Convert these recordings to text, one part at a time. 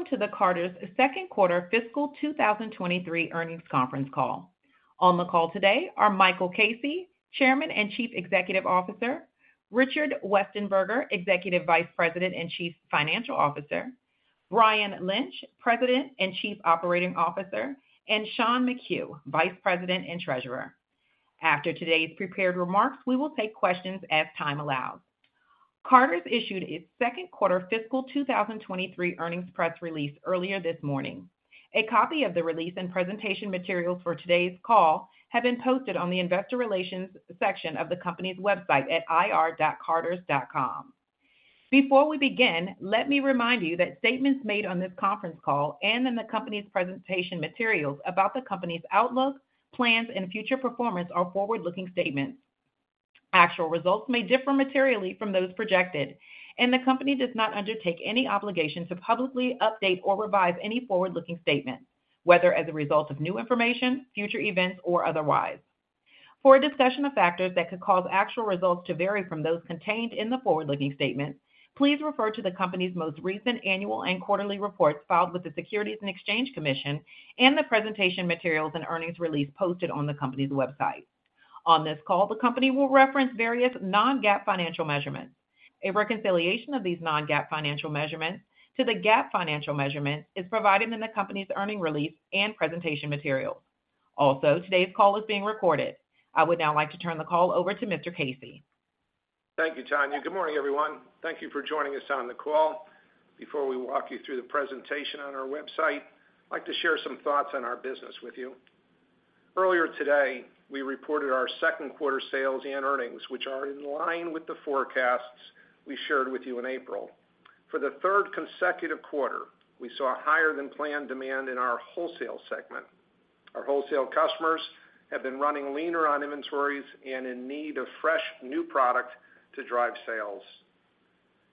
Welcome to the Carter's Q2 fiscal 2023 earnings conference call. On the call today are Michael Casey, Chairman and Chief Executive Officer, Richard Westenberger, Executive Vice President and Chief Financial Officer, Brian Lynch, President and Chief Operating Officer, and Sean McHugh, Vice President and Treasurer. After today's prepared remarks, we will take questions as time allows. Carter's issued its Q2 fiscal 2023 earnings press release earlier this morning. A copy of the release and presentation materials for today's call have been posted on the investor relations section of the company's website at ir.carters.com. Before we begin, let me remind you that statements made on this conference call and in the company's presentation materials about the company's outlook, plans, and future performance are forward-looking statements. Actual results may differ materially from those projected. The company does not undertake any obligation to publicly update or revise any forward-looking statement, whether as a result of new information, future events, or otherwise. For a discussion of factors that could cause actual results to vary from those contained in the forward-looking statement, please refer to the company's most recent annual and quarterly reports filed with the Securities and Exchange Commission and the presentation materials and earnings release posted on the company's website. On this call, the company will reference various non-GAAP financial measurements. A reconciliation of these non-GAAP financial measurements to the GAAP financial measurements is provided in the company's earning release and presentation materials. Today's call is being recorded. I would now like to turn the call over to Mr. Casey. Thank you, Tanya. Good morning, everyone. Thank you for joining us on the call. Before we walk you through the presentation on our website, I'd like to share some thoughts on our business with you. Earlier today, we reported our Q2 sales and earnings, which are in line with the forecasts we shared with you in April. For the third consecutive quarter, we saw higher-than-planned demand in our wholesale segment. Our wholesale customers have been running leaner on inventories and in need of fresh, new product to drive sales.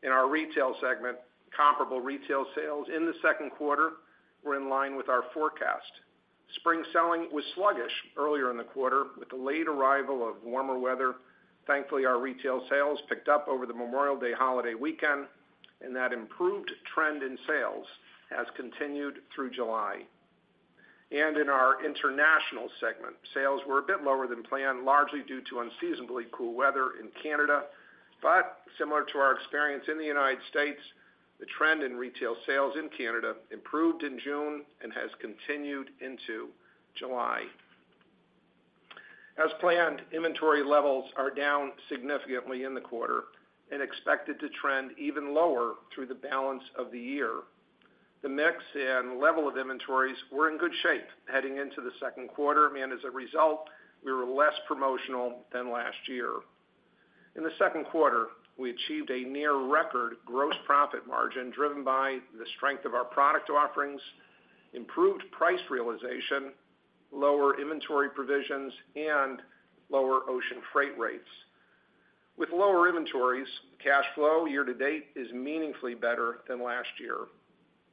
In our retail segment, comparable retail sales in the Q2 were in line with our forecast. Spring selling was sluggish earlier in the quarter, with the late arrival of warmer weather. Thankfully, our retail sales picked up over the Memorial Day holiday weekend, and that improved trend in sales has continued through July. In our international segment, sales were a bit lower than planned, largely due to unseasonably cool weather in Canada. Similar to our experience in the United States, the trend in retail sales in Canada improved in June and has continued into July. As planned, inventory levels are down significantly in the quarter and expected to trend even lower through the balance of the year. The mix and level of inventories were in good shape heading into the Q2, and as a result, we were less promotional than last year. In the Q2, we achieved a near-record gross profit margin, driven by the strength of our product offerings, improved price realization, lower inventory provisions, and lower ocean freight rates. With lower inventories, cash flow year-to-date is meaningfully better than last year.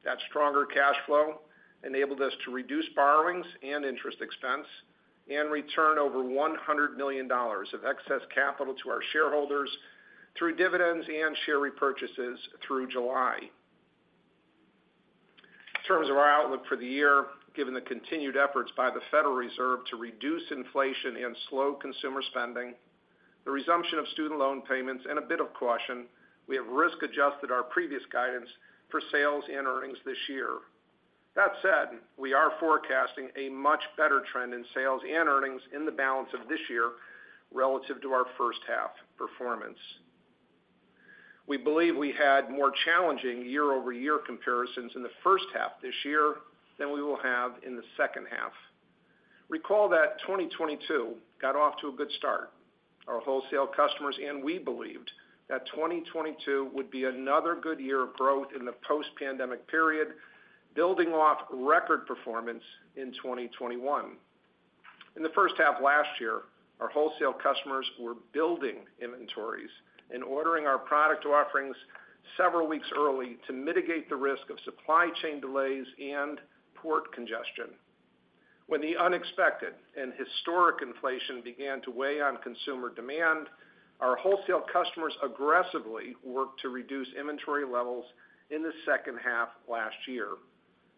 That stronger cash flow enabled us to reduce borrowings and interest expense and return over $100 million of excess capital to our shareholders through dividends and share repurchases through July. In terms of our outlook for the year, given the continued efforts by the Federal Reserve to reduce inflation and slow consumer spending, the resumption of student loan payments, and a bit of caution, we have risk-adjusted our previous guidance for sales and earnings this year. That said, we are forecasting a much better trend in sales and earnings in the balance of this year relative to our first half performance. We believe we had more challenging year-over-year comparisons in the first half this year than we will have in the second half. Recall that 2022 got off to a good start. Our wholesale customers and we believed that 2022 would be another good year of growth in the post-pandemic period, building off record performance in 2021. In the first half last year, our wholesale customers were building inventories and ordering our product offerings several weeks early to mitigate the risk of supply chain delays and port congestion. When the unexpected and historic inflation began to weigh on consumer demand, our wholesale customers aggressively worked to reduce inventory levels in the second half last year.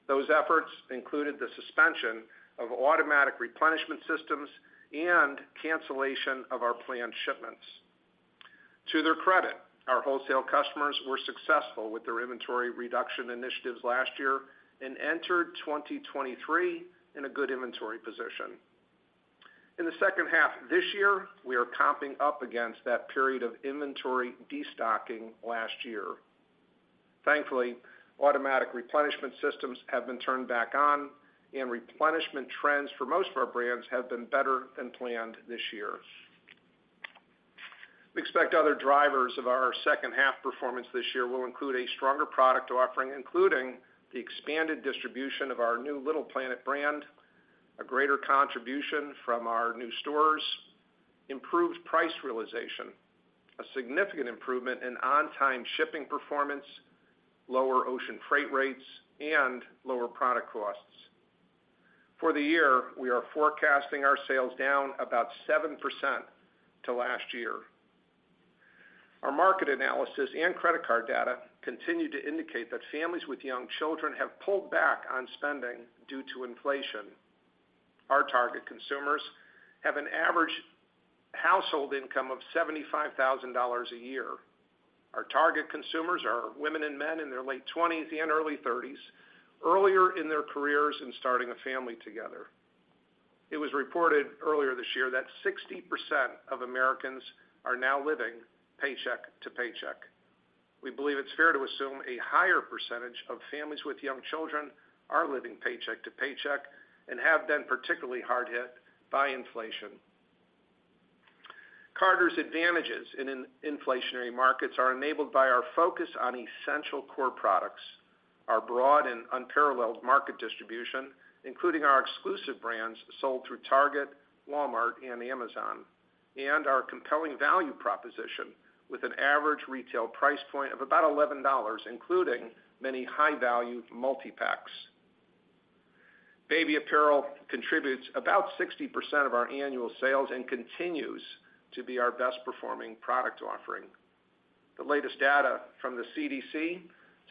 Those efforts included the suspension of automatic replenishment systems and cancellation of our planned shipments. To their credit, our wholesale customers were successful with their inventory reduction initiatives last year and entered 2023 in a good inventory position. In the second half this year, we are comping up against that period of inventory destocking last year. Thankfully, automatic replenishment systems have been turned back on, and replenishment trends for most of our brands have been better than planned this year. We expect other drivers of our second half performance this year will include a stronger product offering, including the expanded distribution of our new Little Planet brand, a greater contribution from our new stores, improved price realization, a significant improvement in on-time shipping performance, lower ocean freight rates, and lower product costs. For the year, we are forecasting our sales down about 7% to last year.... Our market analysis and credit card data continue to indicate that families with young children have pulled back on spending due to inflation. Our target consumers have an average household income of $75,000 a year. Our target consumers are women and men in their late twenties and early thirties, earlier in their careers, and starting a family together. It was reported earlier this year that 60% of Americans are now living paycheck to paycheck. We believe it's fair to assume a higher percentage of families with young children are living paycheck to paycheck and have been particularly hard hit by inflation. Carter's advantages in inflationary markets are enabled by our focus on essential core products, our broad and unparalleled market distribution, including our exclusive brands sold through Target, Walmart, and Amazon, and our compelling value proposition, with an average retail price point of about $11, including many high-value multi-packs. Baby apparel contributes about 60% of our annual sales and continues to be our best-performing product offering. The latest data from the CDC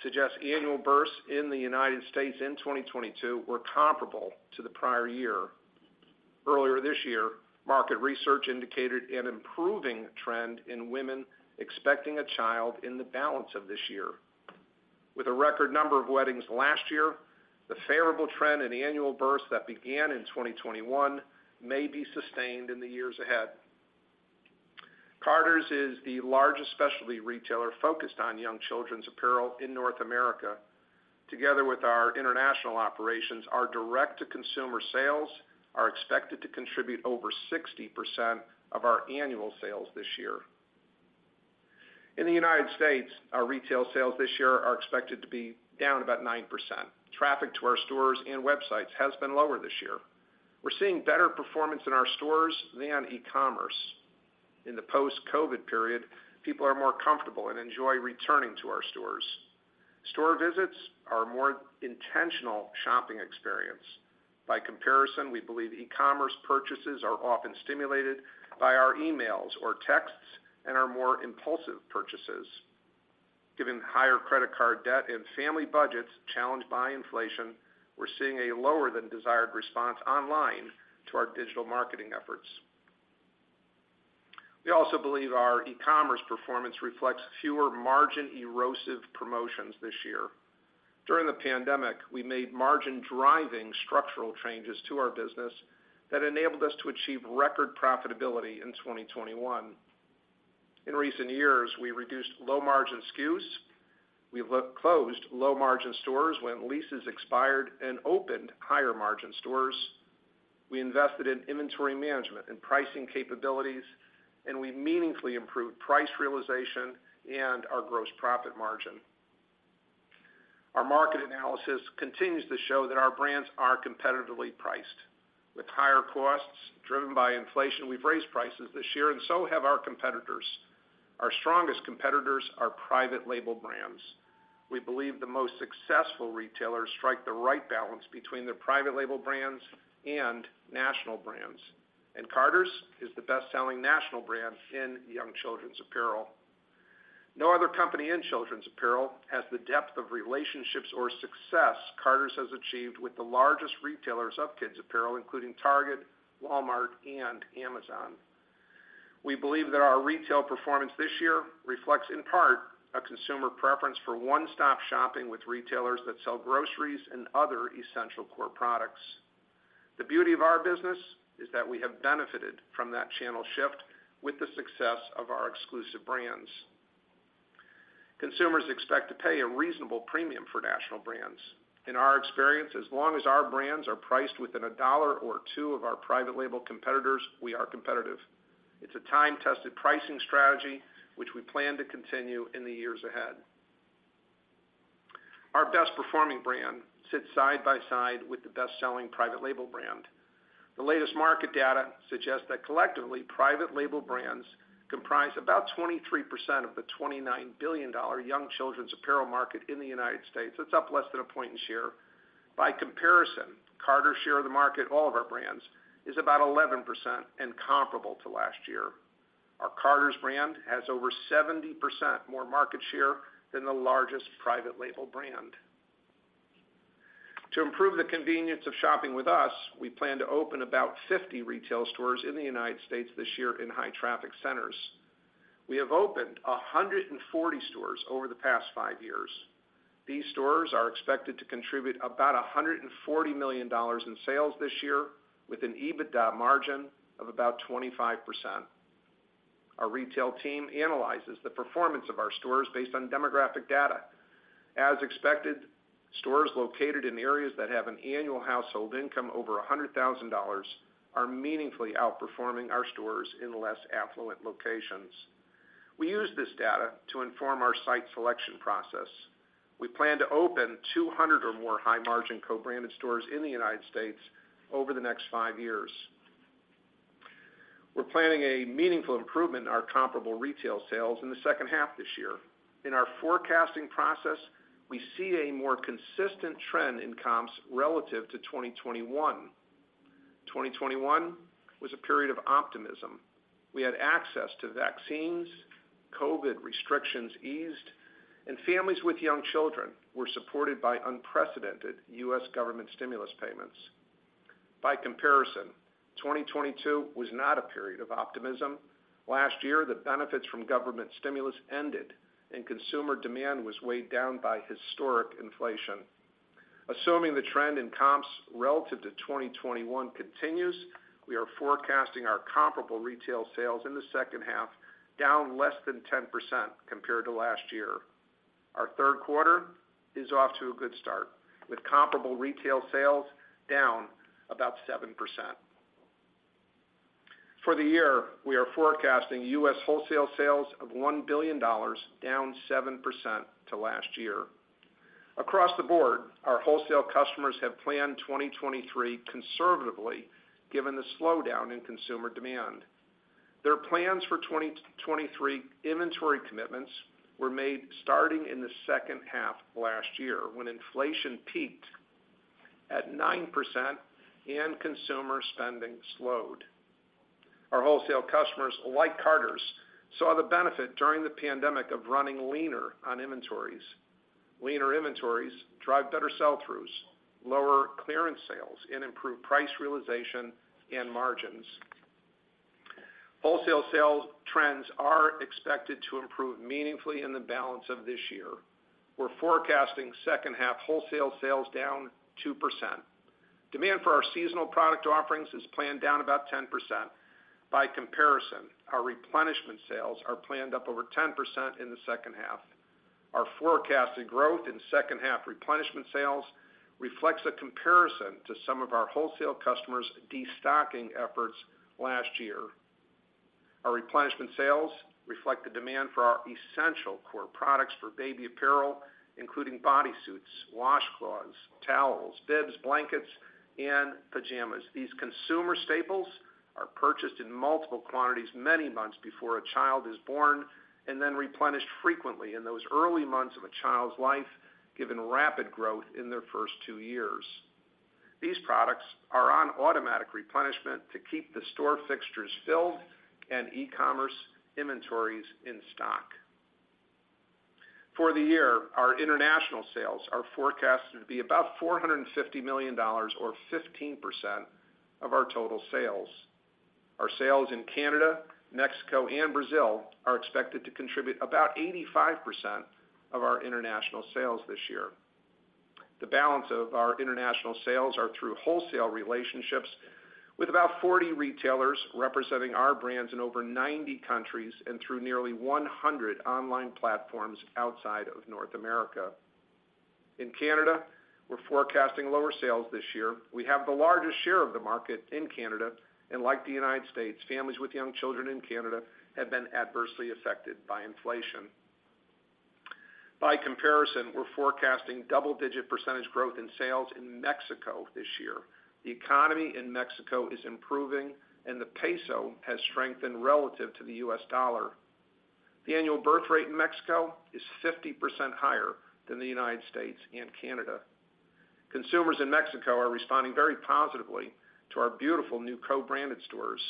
suggests annual births in the United States in 2022 were comparable to the prior year. Earlier this year, market research indicated an improving trend in women expecting a child in the balance of this year. With a record number of weddings last year, the favorable trend in annual births that began in 2021 may be sustained in the years ahead. Carter's is the largest specialty retailer focused on young children's apparel in North America. Together with our international operations, our direct-to-consumer sales are expected to contribute over 60% of our annual sales this year. In the United States, our retail sales this year are expected to be down about 9%. Traffic to our stores and websites has been lower this year. We're seeing better performance in our stores than e-commerce. In the post-COVID period, people are more comfortable and enjoy returning to our stores. Store visits are a more intentional shopping experience. By comparison, we believe e-commerce purchases are often stimulated by our emails or texts and are more impulsive purchases. Given higher credit card debt and family budgets challenged by inflation, we're seeing a lower than desired response online to our digital marketing efforts. We also believe our e-commerce performance reflects fewer margin-erosive promotions this year. During the pandemic, we made margin-driving structural changes to our business that enabled us to achieve record profitability in 2021. In recent years, we reduced low-margin SKUs. We closed low-margin stores when leases expired and opened higher-margin stores. We invested in inventory management and pricing capabilities, and we meaningfully improved price realization and our gross profit margin. Our market analysis continues to show that our brands are competitively priced. With higher costs driven by inflation, we've raised prices this year. So have our competitors. Our strongest competitors are private label brands. We believe the most successful retailers strike the right balance between their private label brands and national brands. Carter's is the best-selling national brand in young children's apparel. No other company in children's apparel has the depth of relationships or success Carter's has achieved with the largest retailers of kids' apparel, including Target, Walmart, and Amazon. We believe that our retail performance this year reflects, in part, a consumer preference for one-stop shopping with retailers that sell groceries and other essential core products. The beauty of our business is that we have benefited from that channel shift with the success of our exclusive brands. Consumers expect to pay a reasonable premium for national brands. In our experience, as long as our brands are priced within $1 or $2 of our private label competitors, we are competitive. It's a time-tested pricing strategy, which we plan to continue in the years ahead. Our best-performing brand sits side by side with the best-selling private label brand. The latest market data suggests that collectively, private label brands comprise about 23% of the $29 billion young children's apparel market in the United States. It's up less than a point in share. Comparison, Carter's share of the market, all of our brands, is about 11% and comparable to last year. Our Carter's brand has over 70% more market share than the largest private label brand. To improve the convenience of shopping with us, we plan to open about 50 retail stores in the United States this year in high-traffic centers. We have opened 140 stores over the past five years. These stores are expected to contribute about $140 million in sales this year, with an EBITDA margin of about 25%. Our retail team analyzes the performance of our stores based on demographic data. As expected, stores located in areas that have an annual household income over $100,000 are meaningfully outperforming our stores in less affluent locations. We use this data to inform our site selection process. We plan to open 200 or more high-margin co-branded stores in the United States over the next years years. We're planning a meaningful improvement in our comparable retail sales in the second half this year. In our forecasting process, we see a more consistent trend in comps relative to 2021. 2021 was a period of optimism. We had access to vaccines, COVID restrictions eased, and families with young children were supported by unprecedented U.S. government stimulus payments. By comparison, 2022 was not a period of optimism. Last year, the benefits from government stimulus ended, and consumer demand was weighed down by historic inflation. Assuming the trend in comps relative to 2021 continues, we are forecasting our comparable retail sales in the second half, down less than 10% compared to last year. Our Q3 is off to a good start, with comparable retail sales down about 7%. For the year, we are forecasting U.S. wholesale sales of $1 billion, down 7% to last year. Across the board, our wholesale customers have planned 2023 conservatively, given the slowdown in consumer demand. Their plans for 2023 inventory commitments were made starting in the second half of last year, when inflation peaked at 9% and consumer spending slowed. Our wholesale customers, like Carter's, saw the benefit during the pandemic of running leaner on inventories. Leaner inventories drive better sell-throughs, lower clearance sales, and improve price realization and margins. Wholesale sales trends are expected to improve meaningfully in the balance of this year. We're forecasting second half wholesale sales down 2%. Demand for our seasonal product offerings is planned down about 10%. By comparison, our replenishment sales are planned up over 10% in the second half. Our forecasted growth in second half replenishment sales reflects a comparison to some of our wholesale customers' destocking efforts last year. Our replenishment sales reflect the demand for our essential core products for baby apparel, including bodysuits, washcloths, towels, bibs, blankets, and pajamas. These consumer staples are purchased in multiple quantities many months before a child is born, then replenished frequently in those early months of a child's life, given rapid growth in their first two years. These products are on automatic replenishment to keep the store fixtures filled and e-commerce inventories in stock. For the year, our international sales are forecasted to be about $450 million or 15% of our total sales. Our sales in Canada, Mexico, and Brazil are expected to contribute about 85% of our international sales this year. The balance of our international sales are through wholesale relationships, with about 40 retailers representing our brands in over 90 countries and through nearly 100 online platforms outside of North America. In Canada, we're forecasting lower sales this year. We have the largest share of the market in Canada, and like the United States, families with young children in Canada have been adversely affected by inflation. By comparison, we're forecasting double-digit % growth in sales in Mexico this year. The economy in Mexico is improving, and the peso has strengthened relative to the U.S. dollar. The annual birth rate in Mexico is 50% higher than the United States and Canada. Consumers in Mexico are responding very positively to our beautiful new co-branded stores.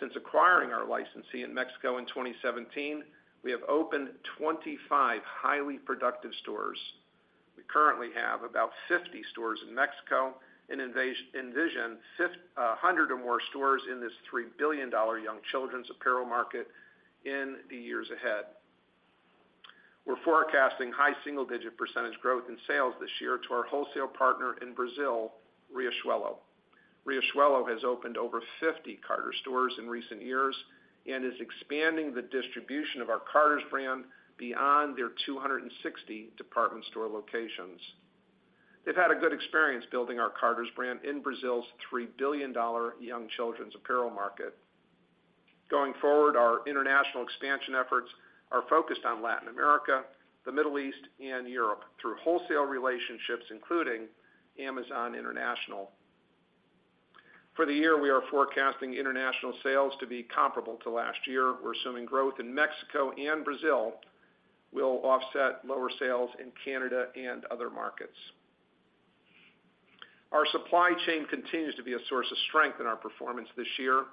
Since acquiring our licensee in Mexico in 2017, we have opened 25 highly productive stores. We currently have about 50 stores in Mexico and envision 100 or more stores in this $3 billion young children's apparel market in the years ahead. We're forecasting high single-digit % growth in sales this year to our wholesale partner in Brazil, Riachuelo. Riachuelo has opened over 50 Carter stores in recent years and is expanding the distribution of our Carter's brand beyond their 260 department store locations. They've had a good experience building our Carter's brand in Brazil's $3 billion young children's apparel market. Going forward, our international expansion efforts are focused on Latin America, the Middle East, and Europe through wholesale relationships, including Amazon International. For the year, we are forecasting international sales to be comparable to last year. We're assuming growth in Mexico and Brazil will offset lower sales in Canada and other markets. Our supply chain continues to be a source of strength in our performance this year.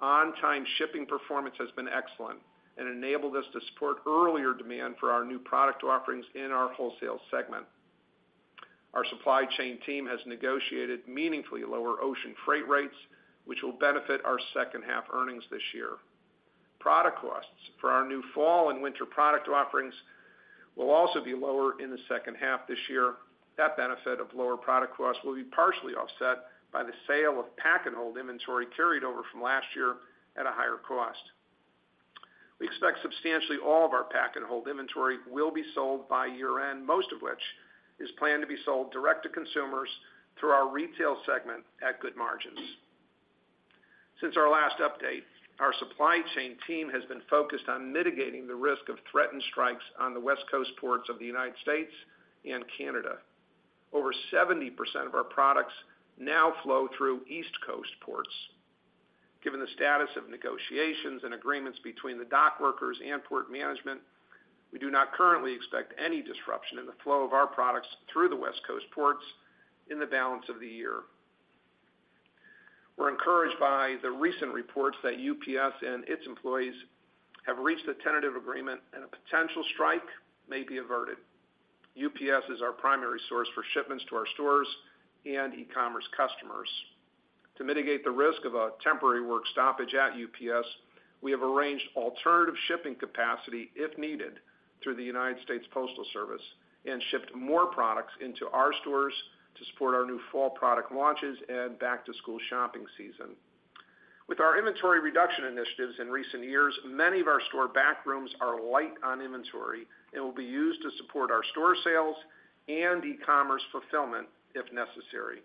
On-time shipping performance has been excellent and enabled us to support earlier demand for our new product offerings in our wholesale segment. Our supply chain team has negotiated meaningfully lower ocean freight rates, which will benefit our second half earnings this year. Product costs for our new fall and winter product offerings will also be lower in the second half this year. That benefit of lower product costs will be partially offset by the sale of pack-and-hold inventory carried over from last year at a higher cost. We expect substantially all of our pack-and-hold inventory will be sold by year-end, most of which is planned to be sold direct to consumers through our retail segment at good margins. Since our last update, our supply chain team has been focused on mitigating the risk of threatened strikes on the West Coast ports of the United States and Canada. Over 70% of our products now flow through East Coast ports. Given the status of negotiations and agreements between the dock workers and port management, we do not currently expect any disruption in the flow of our products through the West Coast ports in the balance of the year. We're encouraged by the recent reports that UPS and its employees have reached a tentative agreement and a potential strike may be averted. UPS is our primary source for shipments to our stores and e-commerce customers. To mitigate the risk of a temporary work stoppage at UPS, we have arranged alternative shipping capacity, if needed, through the United States Postal Service and shipped more products into our stores to support our new fall product launches and back-to-school shopping season. With our inventory reduction initiatives in recent years, many of our store backrooms are light on inventory and will be used to support our store sales and e-commerce fulfillment if necessary.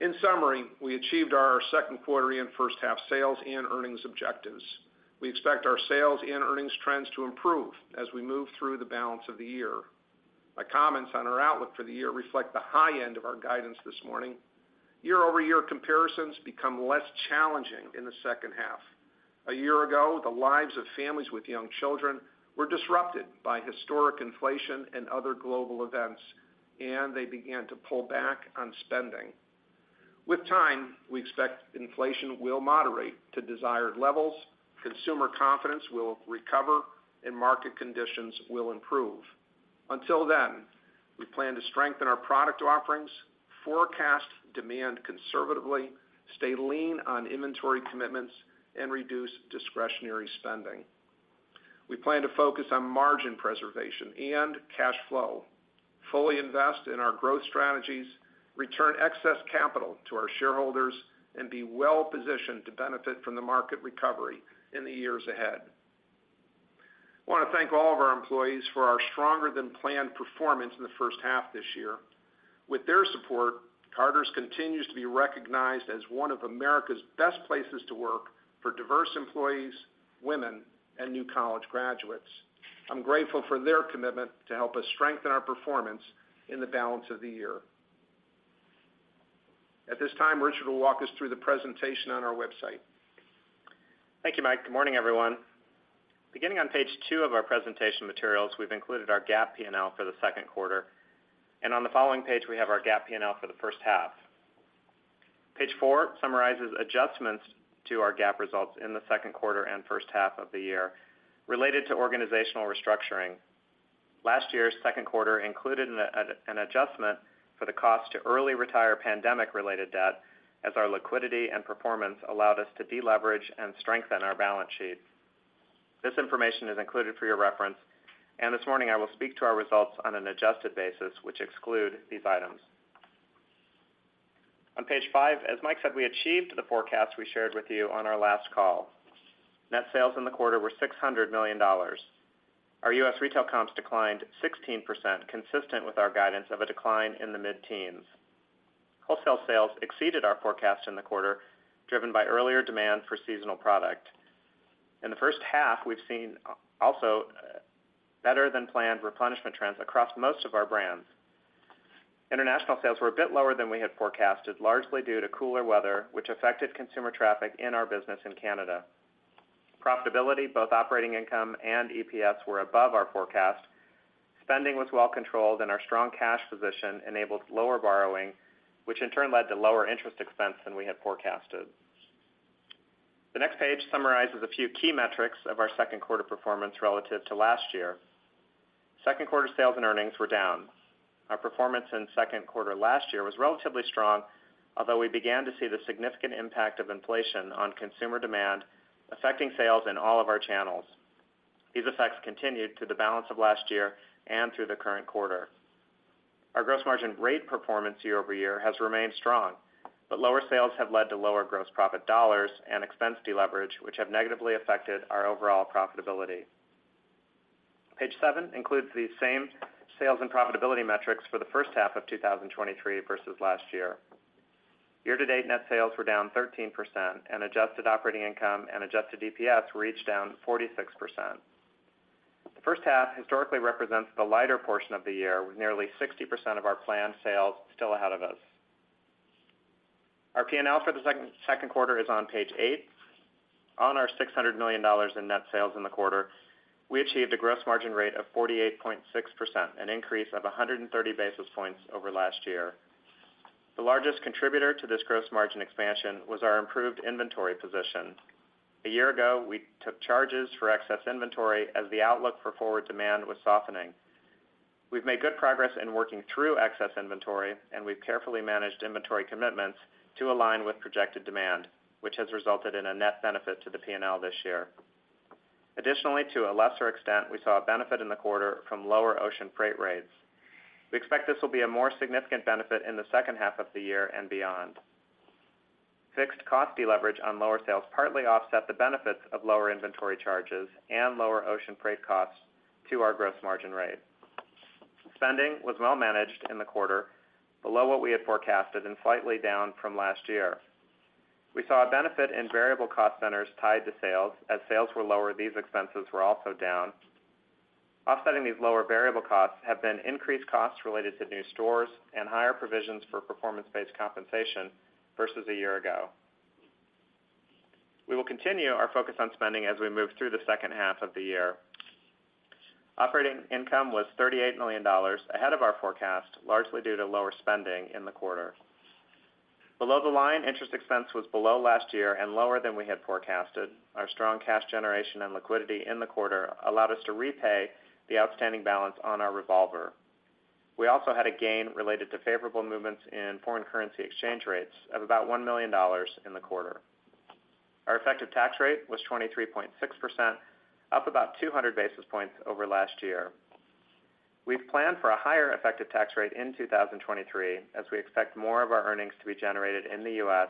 In summary, we achieved our Q2 and first half sales and earnings objectives. We expect our sales and earnings trends to improve as we move through the balance of the year. My comments on our outlook for the year reflect the high end of our guidance this morning. Year-over-year comparisons become less challenging in the second half. A year ago, the lives of families with young children were disrupted by historic inflation and other global events, and they began to pull back on spending. With time, we expect inflation will moderate to desired levels, consumer confidence will recover, and market conditions will improve. Until then, we plan to strengthen our product offerings, forecast demand conservatively, stay lean on inventory commitments, and reduce discretionary spending. We plan to focus on margin preservation and cash flow, fully invest in our growth strategies, return excess capital to our shareholders, and be well-positioned to benefit from the market recovery in the years ahead. I want to thank all of our employees for our stronger-than-planned performance in the first half this year. With their support, Carter's continues to be recognized as one of America's best places to work for diverse employees, women, and new college graduates. I'm grateful for their commitment to help us strengthen our performance in the balance of the year. At this time, Richard will walk us through the presentation on our website. Thank you, Mike. Good morning, everyone. Beginning on page two of our presentation materials, we've included our GAAP P&L for the Q2. On the following page, we have our GAAP P&L for the first half. Page four summarizes adjustments to our GAAP results in the Q2 and first half of the year related to organizational restructuring. Last year's Q2 included an adjustment for the cost to early retire pandemic-related debt, as our liquidity and performance allowed us to deleverage and strengthen our balance sheet. This information is included for your reference. This morning, I will speak to our results on an adjusted basis, which exclude these items. On page five, as Mike said, we achieved the forecast we shared with you on our last call. Net sales in the quarter were $600 million. Our U.S. retail comps declined 16%, consistent with our guidance of a decline in the mid-teens. Wholesale sales exceeded our forecast in the quarter, driven by earlier demand for seasonal product. In the first half, we've seen also better-than-planned replenishment trends across most of our brands. International sales were a bit lower than we had forecasted, largely due to cooler weather, which affected consumer traffic in our business in Canada. Profitability, both operating income and EPS, were above our forecast. Spending was well controlled. Our strong cash position enabled lower borrowing, which in turn led to lower interest expense than we had forecasted. The next page summarizes a few key metrics of our Q2 performance relative to last year. Q2 sales and earnings were down. Our performance in Q2 last year was relatively strong, although we began to see the significant impact of inflation on consumer demand, affecting sales in all of our channels. These effects continued through the balance of last year and through the current quarter. Our gross margin rate performance year-over-year has remained strong, but lower sales have led to lower gross profit dollars and expense deleverage, which have negatively affected our overall profitability. Page seven includes the same sales and profitability metrics for the first half of 2023 versus last year. Year-to-date net sales were down 13%, and adjusted operating income and adjusted EPS were each down 46%. The first half historically represents the lighter portion of the year, with nearly 60% of our planned sales still ahead of us. Our P&L for the Q2 is on page eight. On our $600 million in net sales in the quarter, we achieved a gross margin rate of 48.6%, an increase of 130 basis points over last year. The largest contributor to this gross margin expansion was our improved inventory position. A year ago, we took charges for excess inventory as the outlook for forward demand was softening. We've made good progress in working through excess inventory, and we've carefully managed inventory commitments to align with projected demand, which has resulted in a net benefit to the P&L this year. Additionally, to a lesser extent, we saw a benefit in the quarter from lower ocean freight rates. We expect this will be a more significant benefit in the second half of the year and beyond. Fixed cost deleverage on lower sales partly offset the benefits of lower inventory charges and lower ocean freight costs to our gross margin rate. Spending was well managed in the quarter, below what we had forecasted and slightly down from last year. We saw a benefit in variable cost centers tied to sales. As sales were lower, these expenses were also down. Offsetting these lower variable costs have been increased costs related to new stores and higher provisions for performance-based compensation versus a year ago. We will continue our focus on spending as we move through the second half of the year. Operating income was $38 million, ahead of our forecast, largely due to lower spending in the quarter. Below the line, interest expense was below last year and lower than we had forecasted. Our strong cash generation and liquidity in the quarter allowed us to repay the outstanding balance on our revolver. We also had a gain related to favorable movements in foreign currency exchange rates of about $1 million in the quarter. Our effective tax rate was 23.6%, up about 200 basis points over last year. We've planned for a higher effective tax rate in 2023, as we expect more of our earnings to be generated in the U.S.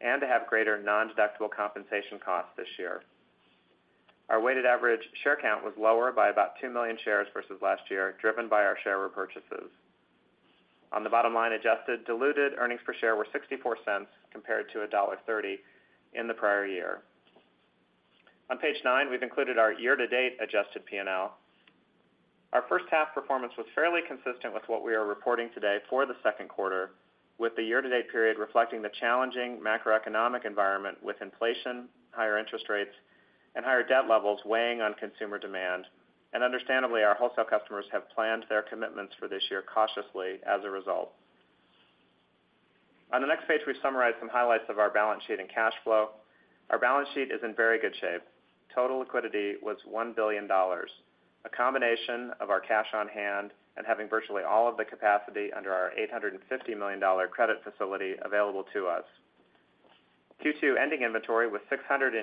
and to have greater nondeductible compensation costs this year. Our weighted average share count was lower by about 2 million shares versus last year, driven by our share repurchases. On the bottom line, adjusted diluted earnings per share were $0.64 compared to $1.30 in the prior year. On page nine, we've included our year-to-date adjusted P&L. Our first half performance was fairly consistent with what we are reporting today for the Q2, with the year-to-date period reflecting the challenging macroeconomic environment, with inflation, higher interest rates, and higher debt levels weighing on consumer demand. Understandably, our wholesale customers have planned their commitments for this year cautiously as a result. On the next page, we summarize some highlights of our balance sheet and cash flow. Our balance sheet is in very good shape. Total liquidity was $1 billion, a combination of our cash on hand and having virtually all of the capacity under our $850 million credit facility available to us. Q2 ending inventory was $682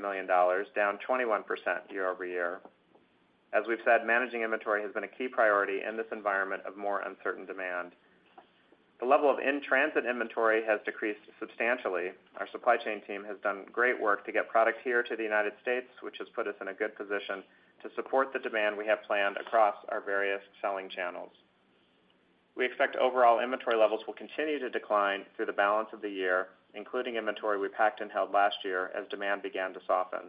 million, down 21% year-over-year. As we've said, managing inventory has been a key priority in this environment of more uncertain demand. The level of in-transit inventory has decreased substantially. Our supply chain team has done great work to get product here to the United States, which has put us in a good position to support the demand we have planned across our various selling channels. We expect overall inventory levels will continue to decline through the balance of the year, including inventory we packed and held last year as demand began to soften.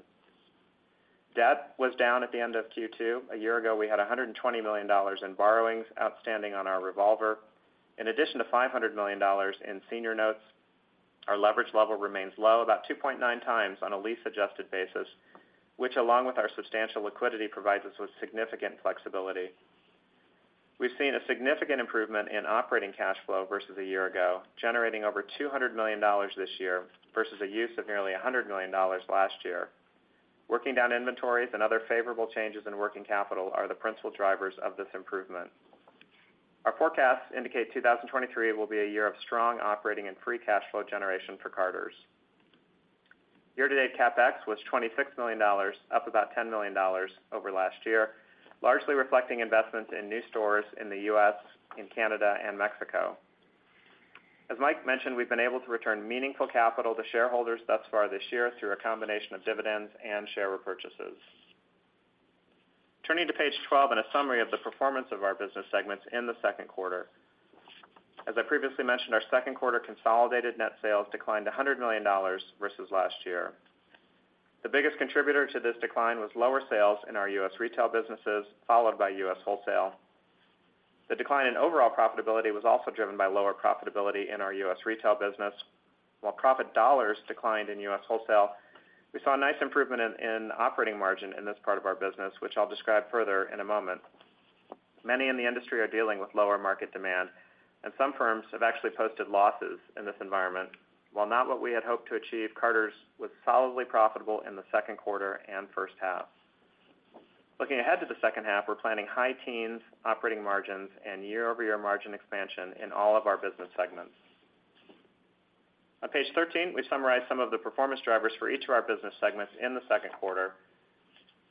Debt was down at the end of Q2. A year ago, we had $120 million in borrowings outstanding on our revolver. Additionally, to $500 million in senior notes, our leverage level remains low, about 2.9x on a lease-adjusted basis, which, along with our substantial liquidity, provides us with significant flexibility. We've seen a significant improvement in operating cash flow versus a year ago, generating over $200 million this year versus a use of nearly $100 million last year. Working down inventories and other favorable changes in working capital are the principal drivers of this improvement. Our forecasts indicate 2023 will be a year of strong operating and free cash flow generation for Carter's. Year-to-date CapEx was $26 million, up about $10 million over last year, largely reflecting investments in new stores in the U.S., in Canada and Mexico. As Mike mentioned, we've been able to return meaningful capital to shareholders thus far this year through a combination of dividends and share repurchases. Turning to page 12 and a summary of the performance of our business segments in the Q2. As I previously mentioned, our Q2 consolidated net sales declined $100 million versus last year. The biggest contributor to this decline was lower sales in our U.S. retail businesses, followed by U.S. wholesale. The decline in overall profitability was also driven by lower profitability in our U.S. retail business. While profit dollars declined in U.S. wholesale, we saw a nice improvement in operating margin in this part of our business, which I'll describe further in a moment. Many in the industry are dealing with lower market demand, and some firms have actually posted losses in this environment. While not what we had hoped to achieve, Carter's was solidly profitable in the Q2 and first half. Looking ahead to the second half, we're planning high teens operating margins and year-over-year margin expansion in all of our business segments. On page 13, we summarize some of the performance drivers for each of our business segments in the Q2.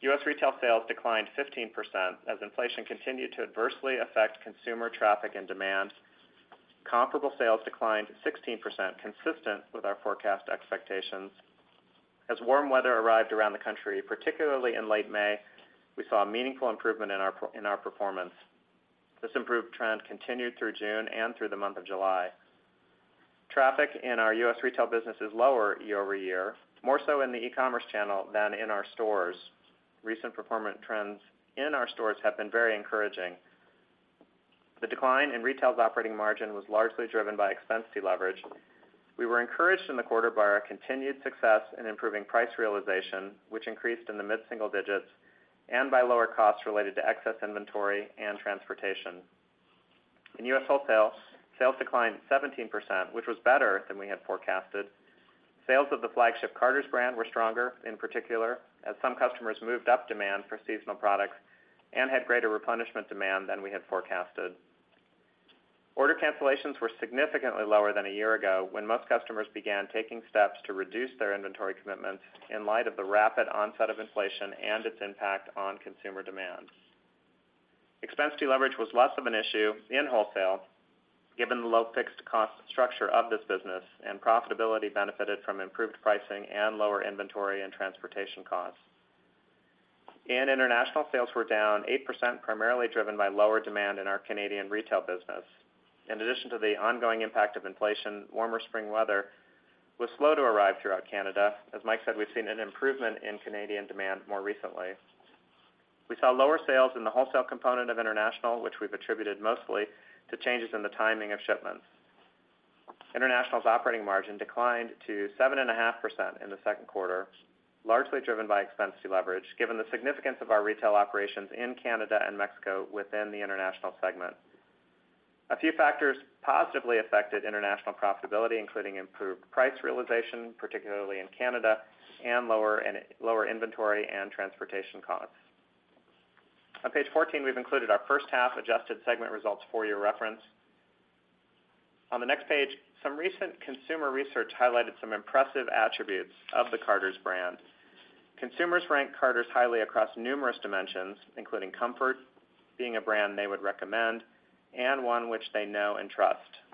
U.S. retail sales declined 15% as inflation continued to adversely affect consumer traffic and demand. Comparable sales declined 16%, consistent with our forecast expectations. As warm weather arrived around the country, particularly in late May, we saw a meaningful improvement in our performance. This improved trend continued through June and through the month of July. Traffic in our U.S. retail business is lower year-over-year, more so in the e-commerce channel than in our stores. Recent performance trends in our stores have been very encouraging. The decline in retail's operating margin was largely driven by expense deleverage. We were encouraged in the quarter by our continued success in improving price realization, which increased in the mid-single digits, and by lower costs related to excess inventory and transportation. In U.S. wholesale, sales declined 17%, which was better than we had forecasted. Sales of the flagship Carter's brand were stronger, in particular, as some customers moved up demand for seasonal products and had greater replenishment demand than we had forecasted. Order cancellations were significantly lower than a year ago, when most customers began taking steps to reduce their inventory commitments in light of the rapid onset of inflation and its impact on consumer demand. Expense deleverage was less of an issue in wholesale, given the low fixed cost structure of this business, and profitability benefited from improved pricing and lower inventory and transportation costs. In international, sales were down 8%, primarily driven by lower demand in our Canadian retail business. In addition to the ongoing impact of inflation, warmer spring weather was slow to arrive throughout Canada. As Mike said, we've seen an improvement in Canadian demand more recently. We saw lower sales in the wholesale component of international, which we've attributed mostly to changes in the timing of shipments. International's operating margin declined to 7.5% in the Q2, largely driven by expense leverage, given the significance of our retail operations in Canada and Mexico within the international segment. A few factors positively affected international profitability, including improved price realization, particularly in Canada, and lower inventory and transportation costs. On page 14, we've included our first half adjusted segment results for your reference. On the next page, some recent consumer research highlighted some impressive attributes of the Carter's brand. Consumers rank Carter's highly across numerous dimensions, including comfort, being a brand they would recommend, and one which they know and trust.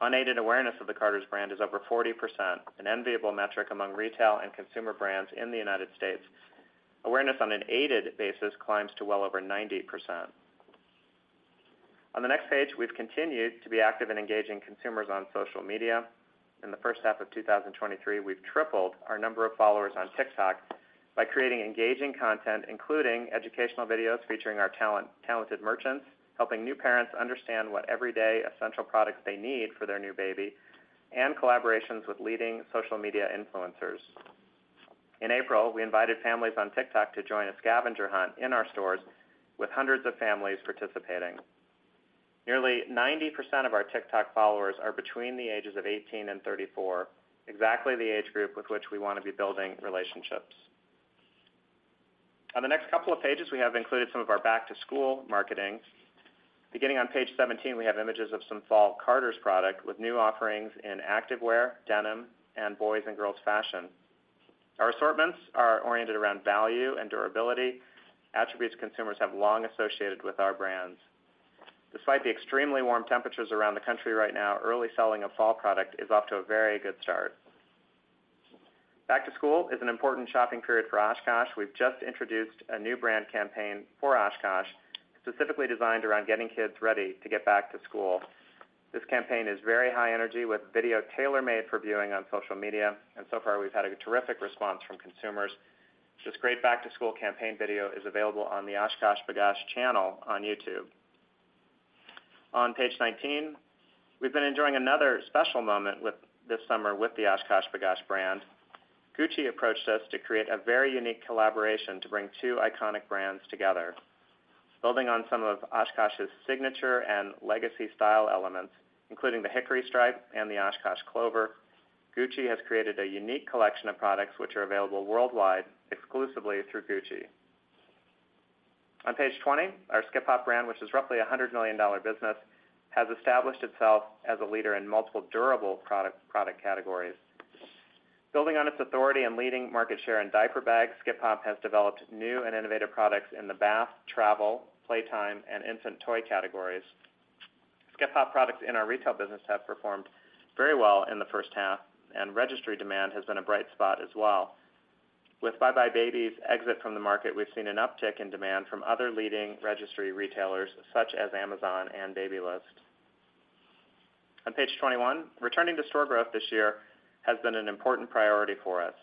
Unaided awareness of the Carter's brand is over 40%, an enviable metric among retail and consumer brands in the United States. Awareness on an aided basis climbs to well over 90%. On the next page, we've continued to be active in engaging consumers on social media. In the first half of 2023, we've tripled our number of followers on TikTok by creating engaging content, including educational videos featuring our talented merchants, helping new parents understand what everyday essential products they need for their new baby, and collaborations with leading social media influencers. In April, we invited families on TikTok to join a scavenger hunt in our stores, with hundreds of families participating. Nearly 90% of our TikTok followers are between the ages of 18 and 34, exactly the age group with which we want to be building relationships. On the next couple of pages, we have included some of our back-to-school marketing. Beginning on page 17, we have images of some fall Carter's product, with new offerings in activewear, denim, and boys and girls fashion. Our assortments are oriented around value and durability, attributes consumers have long associated with our brands. Despite the extremely warm temperatures around the country right now, early selling of fall product is off to a very good start. Back to school is an important shopping period for OshKosh. We've just introduced a new brand campaign for OshKosh, specifically designed around getting kids ready to get back to school. This campaign is very high energy, with video tailor-made for viewing on social media. So far, we've had a terrific response from consumers. This great back-to-school campaign video is available on the OshKosh B'gosh channel on YouTube. On page 19, we've been enjoying another special moment this summer with the OshKosh B'gosh brand. Gucci approached us to create a very unique collaboration to bring two iconic brands together. Building on some of OshKosh's signature and legacy style elements, including the hickory stripe and the OshKosh clover, Gucci has created a unique collection of products, which are available worldwide, exclusively through Gucci. On page 20, our Skip Hop brand, which is roughly a $100 million business, has established itself as a leader in multiple durable product, product categories. Building on its authority and leading market share in diaper bags, Skip Hop has developed new and innovative products in the bath, travel, playtime, and infant toy categories. Skip Hop products in our retail business have performed very well in the first half, and registry demand has been a bright spot as well. With Buy Buy Baby's exit from the market, we've seen an uptick in demand from other leading registry retailers, such as Amazon and Babylist. On page 21, returning to store growth this year has been an important priority for us.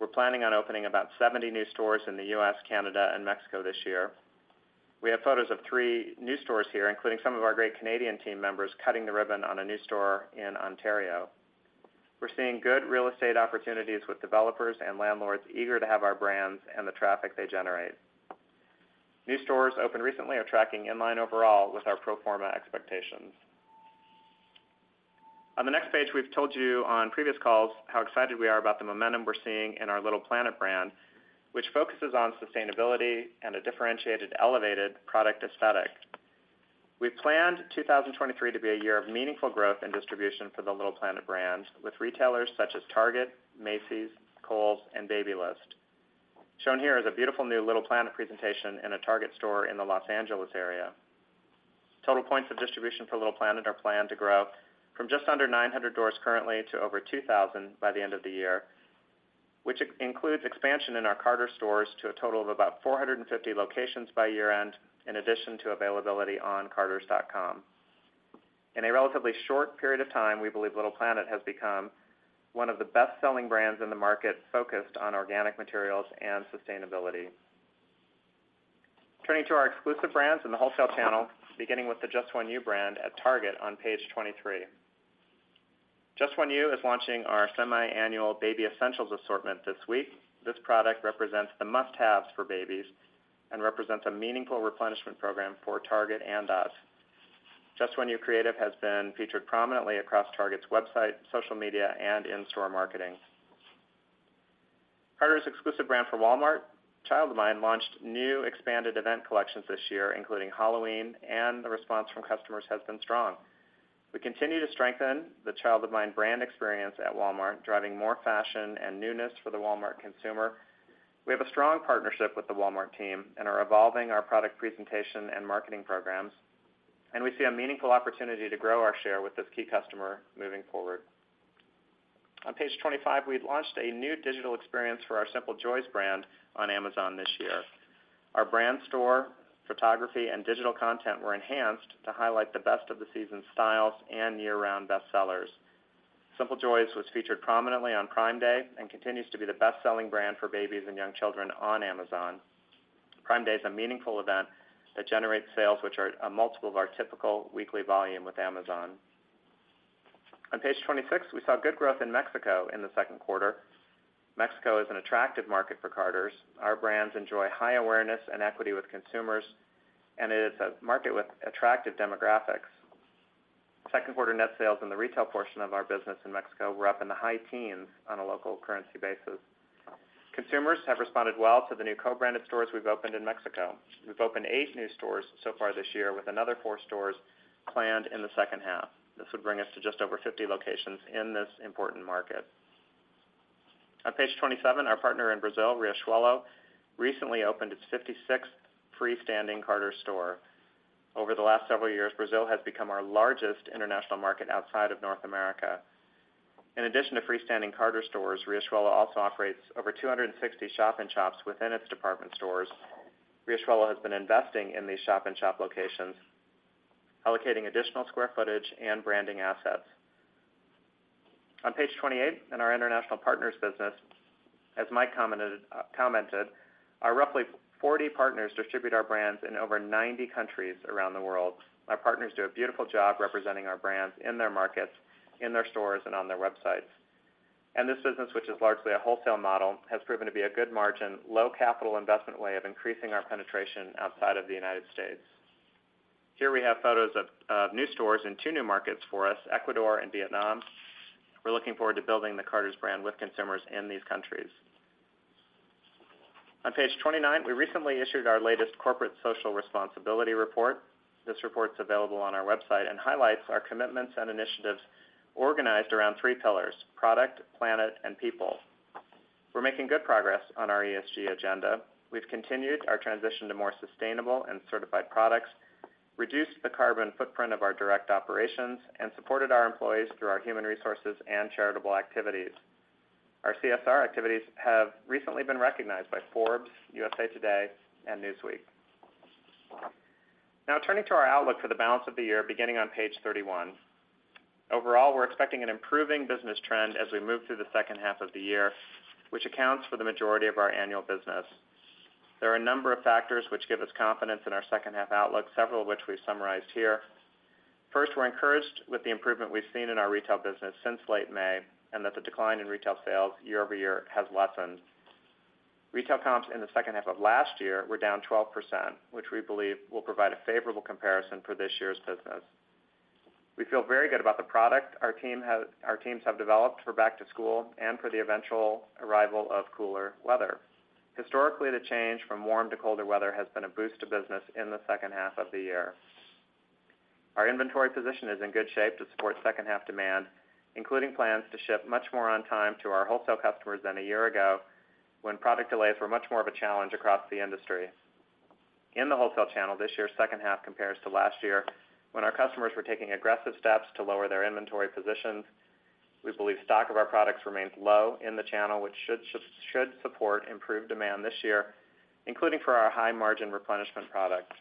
We're planning on opening about 70 new stores in the U.S., Canada, and Mexico this year. We have photos of three new stores here, including some of our great Canadian team members, cutting the ribbon on a new store in Ontario. We're seeing good real estate opportunities with developers and landlords eager to have our brands and the traffic they generate. New stores opened recently are tracking in line overall with our pro forma expectations. The next page, we've told you on previous calls how excited we are about the momentum we're seeing in our Little Planet brand, which focuses on sustainability and a differentiated, elevated product aesthetic. We planned 2023 to be a year of meaningful growth and distribution for the Little Planet brand, with retailers such as Target, Macy's, Kohl's, and Babylist. Shown here is a beautiful new Little Planet presentation in a Target store in the Los Angeles area. Total points of distribution for Little Planet are planned to grow from just under 900 doors currently to over 2,000 by the end of the year, which includes expansion in our Carter stores to a total of about 450 locations by year-end, in addition to availability on carters.com. In a relatively short period of time, we believe Little Planet has become one of the best-selling brands in the market, focused on organic materials and sustainability. Turning to our exclusive brands in the wholesale channel, beginning with the Just One You brand at Target on page 23. Just One You is launching our semiannual Baby Essentials assortment this week. This product represents the must-haves for babies and represents a meaningful replenishment program for Target and us. Just One You creative has been featured prominently across Target's website, social media, and in-store marketing. Carter's exclusive brand for Walmart, Child of Mine, launched new expanded event collections this year, including Halloween. The response from customers has been strong. We continue to strengthen the Child of Mine brand experience at Walmart, driving more fashion and newness for the Walmart consumer. We have a strong partnership with the Walmart team and are evolving our product presentation and marketing programs, and we see a meaningful opportunity to grow our share with this key customer moving forward. On page 25, we've launched a new digital experience for our Simple Joys brand on Amazon this year. Our brand store, photography, and digital content were enhanced to highlight the best of the season's styles and year-round bestsellers. Simple Joys was featured prominently on Prime Day and continues to be the best-selling brand for babies and young children on Amazon. Prime Day is a meaningful event that generates sales, which are a multiple of our typical weekly volume with Amazon. Page 26, we saw good growth in Mexico in the Q2. Mexico is an attractive market for Carter's. Our brands enjoy high awareness and equity with consumers. It is a market with attractive demographics. Q2 net sales in the retail portion of our business in Mexico were up in the high teens on a local currency basis. Consumers have responded well to the new co-branded stores we've opened in Mexico. We've opened eight new stores so far this year, with another four stores planned in the second half. This would bring us to just over 50 locations in this important market. Page 27, our partner in Brazil, Riachuelo, recently opened its 56th freestanding Carter's store. Over the last several years, Brazil has become our largest international market outside of North America. In addition to freestanding Carter's stores, Riachuelo also operates over 260 shop-in-shops within its department stores. Riachuelo has been investing in these shop-in-shop locations, allocating additional square footage and branding assets. On Page 28, in our international partners business, as Mike commented, commented, our roughly 40 partners distribute our brands in over 90 countries around the world. Our partners do a beautiful job representing our brands in their markets, in their stores, and on their websites. This business, which is largely a wholesale model, has proven to be a good margin, low capital investment way of increasing our penetration outside of the United States. Here we have photos of new stores in two new markets for us, Ecuador and Vietnam. We're looking forward to building the Carter's brand with consumers in these countries. On Page 29, we recently issued our latest corporate social responsibility report. This report's available on our website and highlights our commitments and initiatives organized around three pillars: product, planet, and people. We're making good progress on our ESG agenda. We've continued our transition to more sustainable and certified products, reduced the carbon footprint of our direct operations, and supported our employees through our human resources and charitable activities. Our CSR activities have recently been recognized by Forbes, USA Today, and Newsweek. Turning to our outlook for the balance of the year, beginning on Page 31. Overall, we're expecting an improving business trend as we move through the second half of the year, which accounts for the majority of our annual business. There are a number of factors which give us confidence in our second half outlook, several of which we've summarized here. First, we're encouraged with the improvement we've seen in our retail business since late May, and that the decline in retail sales year-over-year has lessened. Retail comps in the second half of last year were down 12%, which we believe will provide a favorable comparison for this year's business. We feel very good about the product our teams have developed for back to school and for the eventual arrival of cooler weather. Historically, the change from warm to colder weather has been a boost to business in the second half of the year. Our inventory position is in good shape to support second half demand, including plans to ship much more on time to our wholesale customers than a year ago, when product delays were much more of a challenge across the industry. In the wholesale channel, this year's second half compares to last year, when our customers were taking aggressive steps to lower their inventory positions. We believe stock of our products remains low in the channel, which should support improved demand this year, including for our high-margin replenishment products.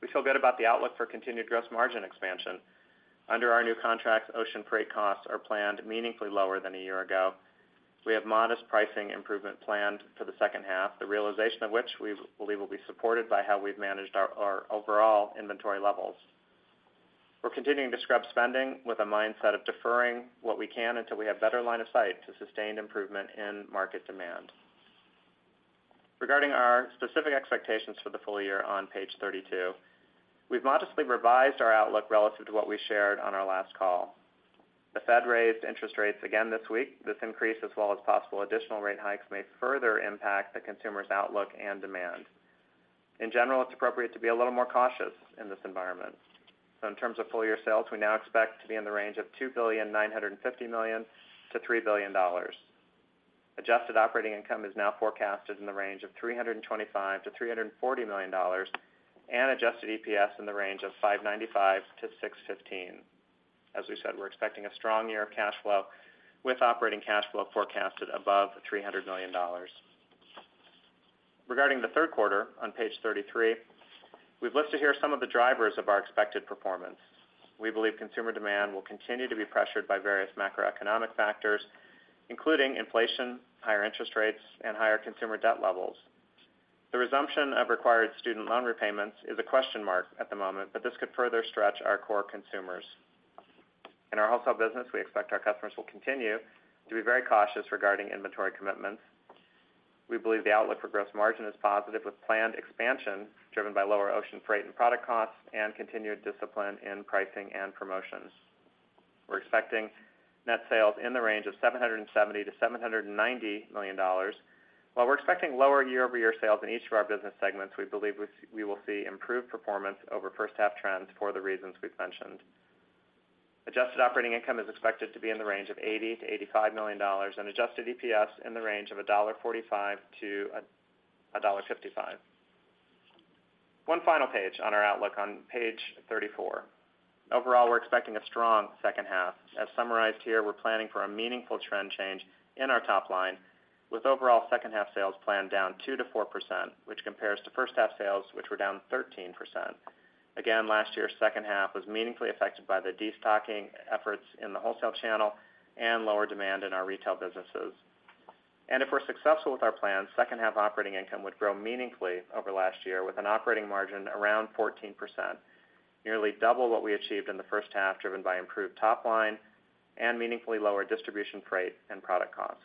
We feel good about the outlook for continued gross margin expansion. Under our new contracts, ocean freight costs are planned meaningfully lower than a year ago. We have modest pricing improvement planned for the second half, the realization of which we believe will be supported by how we've managed our overall inventory levels. We're continuing to scrub spending with a mindset of deferring what we can until we have better line of sight to sustained improvement in market demand. Regarding our specific expectations for the full year on Page 32, we've modestly revised our outlook relative to what we shared on our last call. The Fed raised interest rates again this week. This increase, as well as possible additional rate hikes, may further impact the consumer's outlook and demand. In general, it's appropriate to be a little more cautious in this environment. In terms of full year sales, we now expect to be in the range of $2.95 billion-$3 billion. Adjusted operating income is now forecasted in the range of $325 million-$340 million, and adjusted EPS in the range of $5.95-$6.15. We said, we're expecting a strong year of cash flow, with operating cash flow forecasted above $300 million. Regarding the Q3, on Page 33, we've listed here some of the drivers of our expected performance. We believe consumer demand will continue to be pressured by various macroeconomic factors, including inflation, higher interest rates, and higher consumer debt levels. The resumption of required student loan repayments is a question mark at the moment, this could further stretch our core consumers. In our wholesale business, we expect our customers will continue to be very cautious regarding inventory commitments. We believe the outlook for gross margin is positive, with planned expansion driven by lower ocean freight and product costs and continued discipline in pricing and promotions. We're expecting net sales in the range of $770 million-$790 million. While we're expecting lower year-over-year sales in each of our business segments, we believe we will see improved performance over first half trends for the reasons we've mentioned. Adjusted operating income is expected to be in the range of $80 million-$85 million, and adjusted EPS in the range of $1.45 to $1.55. One final page on our outlook on page 34. Overall, we're expecting a strong second half. As summarized here, we're planning for a meaningful trend change in our top line, with overall second half sales planned down 2%-4%, which compares to first half sales, which were down 13%. Last year's second half was meaningfully affected by the destocking efforts in the wholesale channel and lower demand in our retail businesses. If we're successful with our plan, second half operating income would grow meaningfully over last year with an operating margin around 14%, nearly double what we achieved in the first half, driven by improved top line and meaningfully lower distribution freight and product costs.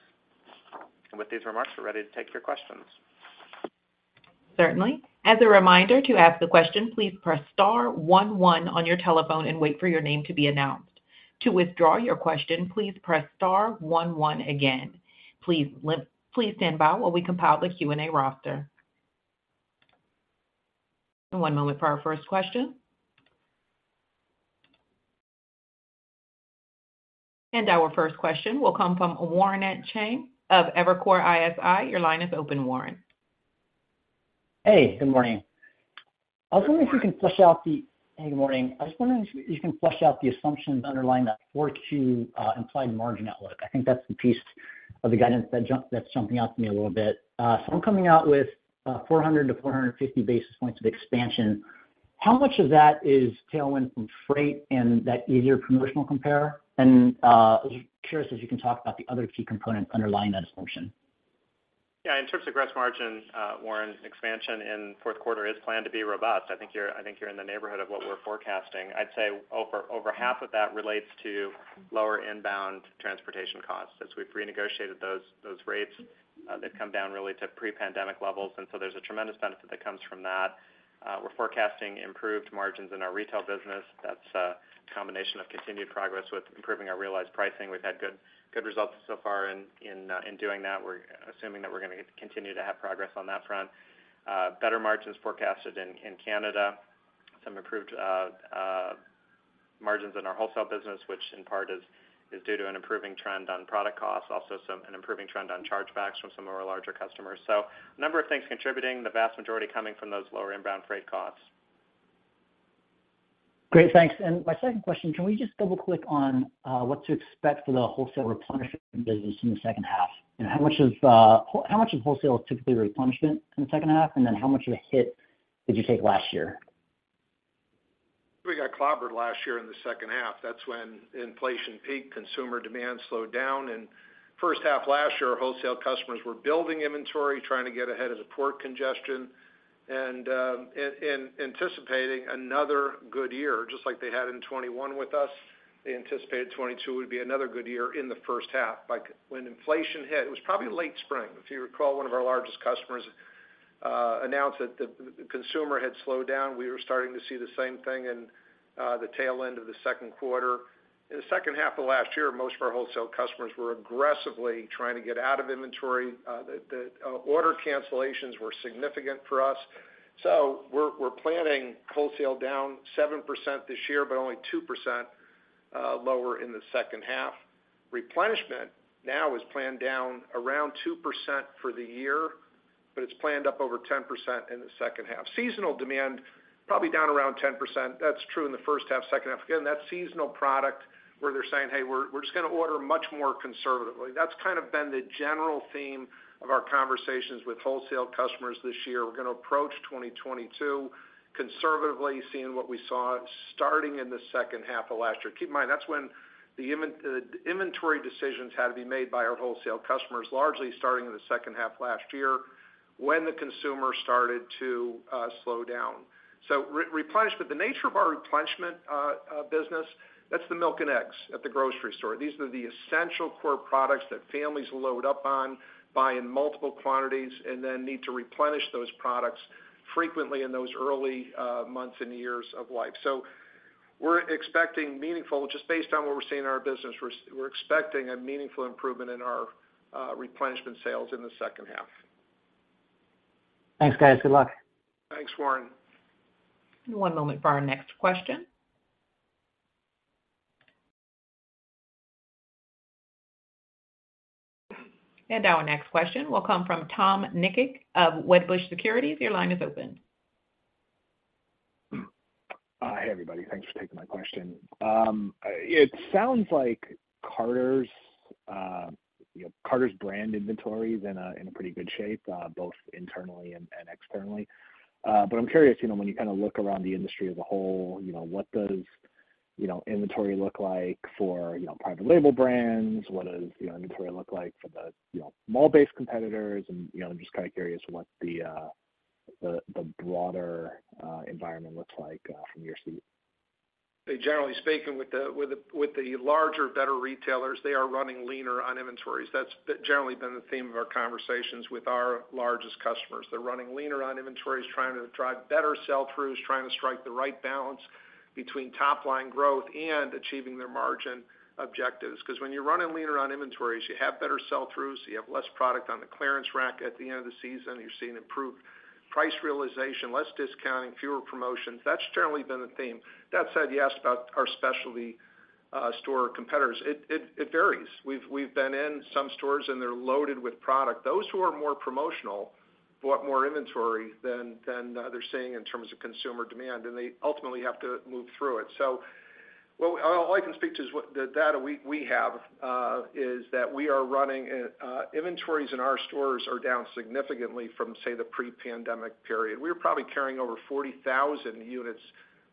With these remarks, we're ready to take your questions. Certainly. As a reminder, to ask a question, please press star 1 1 on your telephone and wait for your name to be announced. To withdraw your question, please press star 1 1 again. Please stand by while we compile the Q&A roster. 1 moment for our first question. Our first question will come from Warren Cheng of Evercore ISI. Your line is open, Warren. Hey, good morning. I was wondering if you can flush out the hey, good morning. I was wondering if you can flush out the assumptions underlying that 42 implied margin outlook. I think that's the piece of the guidance that jump- that's jumping out to me a little bit. I'm coming out with 400 to 450 basis points of expansion. How much of that is tailwind from freight and that easier promotional compare? Curious if you can talk about the other key components underlying that assumption. Yeah, in terms of gross margin, Warren, expansion in Q4 is planned to be robust. I think you're, I think you're in the neighborhood of what we're forecasting. I'd say over, over half of that relates to lower inbound transportation costs. As we've renegotiated those, those rates, they've come down really to pre-pandemic levels, and so there's a tremendous benefit that comes from that. We're forecasting improved margins in our retail business. That's a combination of continued progress with improving our realized pricing. We've had good, good results so far in doing that. We're assuming that we're gonna continue to have progress on that front. Better margins forecasted in, in Canada, some improved margins in our wholesale business, which in part is, is due to an improving trend on product costs, also an improving trend on chargebacks from some of our larger customers. A number of things contributing, the vast majority coming from those lower inbound freight costs. Great, thanks. My second question, can we just double click on what to expect for the wholesale replenishment business in the second half? How much is how much of wholesale is typically replenishment in the second half, and then how much of a hit did you take last year? We got clobbered last year in the second half. That's when inflation peaked, consumer demand slowed down. First half last year, our wholesale customers were building inventory, trying to get ahead of the port congestion, anticipating another good year, just like they had in 2021 with us. They anticipated 2022 would be another good year in the first half. Like, when inflation hit, it was probably late spring. If you recall, one of our largest customers announced that the consumer had slowed down. We were starting to see the same thing in the tail end of the Q2. In the second half of last year, most of our wholesale customers were aggressively trying to get out of inventory. The order cancellations were significant for us. We're planning wholesale down 7% this year, but only 2% lower in the second half. Replenishment now is planned down around 2% for the year, but it's planned up over 10% in the second half. Seasonal demand, probably down around 10%. That's true in the first half, second half. Again, that's seasonal product, where they're saying, "Hey, we're just gonna order much more conservatively." That's kind of been the general theme of our conversations with wholesale customers this year. We're gonna approach 2022 conservatively, seeing what we saw starting in the second half of last year. Keep in mind, that's when the inventory decisions had to be made by our wholesale customers, largely starting in the second half last year, when the consumer started to slow down. Re- replenishment, the nature of our replenishment business, that's the milk and eggs at the grocery store. These are the essential core products that families load up on, buy in multiple quantities, and then need to replenish those products frequently in those early months and years of life. We're expecting meaningful, just based on what we're seeing in our business, we're expecting a meaningful improvement in our replenishment sales in the second half. Thanks, guys. Good luck. Thanks, Warren. One moment for our next question. Our next question will come from Tom Nikic of Wedbush Securities. Your line is open. Hey, everybody. Thanks for taking my question. It sounds like Carter's, you know, Carter's brand inventory is in a pretty good shape, both internally and externally. I'm curious, you know, when you kind of look around the industry as a whole, you know, what does, you know, inventory look like for, you know, private label brands? What does the inventory look like for the, you know, mall-based competitors? You know, I'm just kind of curious what the broader environment looks like from your seat. Generally speaking, with the larger, better retailers, they are running leaner on inventories. That's generally been the theme of our conversations with our largest customers. They're running leaner on inventories, trying to drive better sell-throughs, trying to strike the right balance between top line growth and achieving their margin objectives. Because when you're running leaner on inventories, you have better sell-throughs, you have less product on the clearance rack at the end of the season, you're seeing improved price realization, less discounting, fewer promotions. That's generally been the theme. That said, you asked about our specialty store competitors, it varies. We've been in some stores, and they're loaded with product. Those who are more promotional bought more inventory than they're seeing in terms of consumer demand, and they ultimately have to move through it. Well, all I can speak to is what the data we have is that we are running inventories in our stores are down significantly from, say, the pre-pandemic period. We were probably carrying over 40,000 units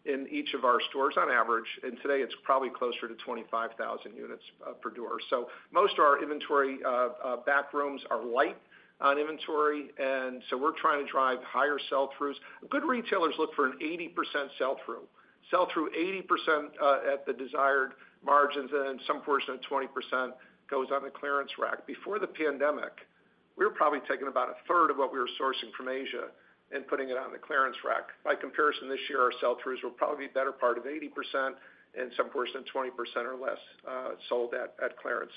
in each of our stores on average, and today it's probably closer to 25,000 units per door. Most of our inventory backrooms are light on inventory, and so we're trying to drive higher sell-throughs. Good retailers look for an 80% sell-through. Sell-through 80% at the desired margins, and then some portion of 20% goes on the clearance rack. Before the pandemic, we were probably taking about a third of what we were sourcing from Asia and putting it on the clearance rack. By comparison, this year, our sell-throughs will probably be better part of 80% and some portion, 20% or less, sold at, at clearance.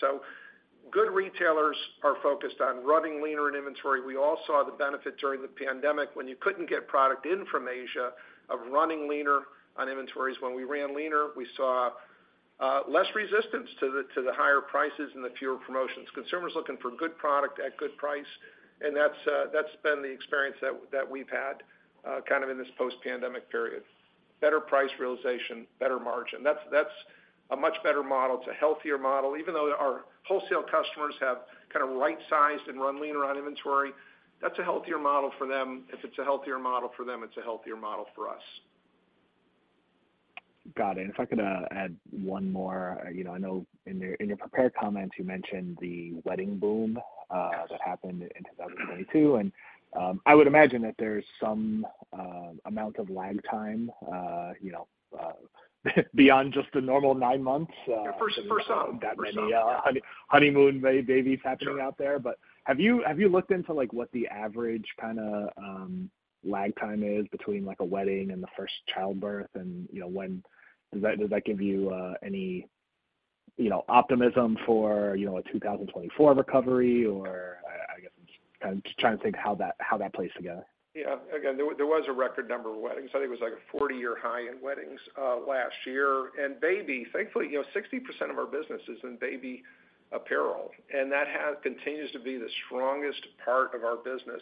Good retailers are focused on running leaner in inventory. We all saw the benefit during the pandemic when you couldn't get product in from Asia, of running leaner on inventories. When we ran leaner, we saw less resistance to the, to the higher prices and the fewer promotions. Consumers looking for good product at good price, and that's, that's been the experience that, that we've had kind of in this post-pandemic period. Better price realization, better margin. That's, that's a much better model. It's a healthier model. Even though our wholesale customers have kind of right-sized and run leaner on inventory, that's a healthier model for them. If it's a healthier model for them, it's a healthier model for us. Got it. If I could, add one more, you know, I know in your, in your prepared comments, you mentioned the wedding boom, that happened in 2022. I would imagine that there's some amount of lag time, you know, beyond just the normal nine months... For some. For some, yeah. That many, honeymoon, baby babies happening out there. Sure. Have you, have you looked into, like, what the average kind of, lag time is between, like, a wedding and the first childbirth? You know, does that, does that give you, any, you know, optimism for, you know, a 2024 recovery? I, I guess I'm just kind of trying to think how that, how that plays together. Yeah. Again, there, there was a record number of weddings. I think it was like a 40-year high in weddings last year. Baby, thankfully, you know, 60% of our business is in baby apparel, and that continues to be the strongest part of our business.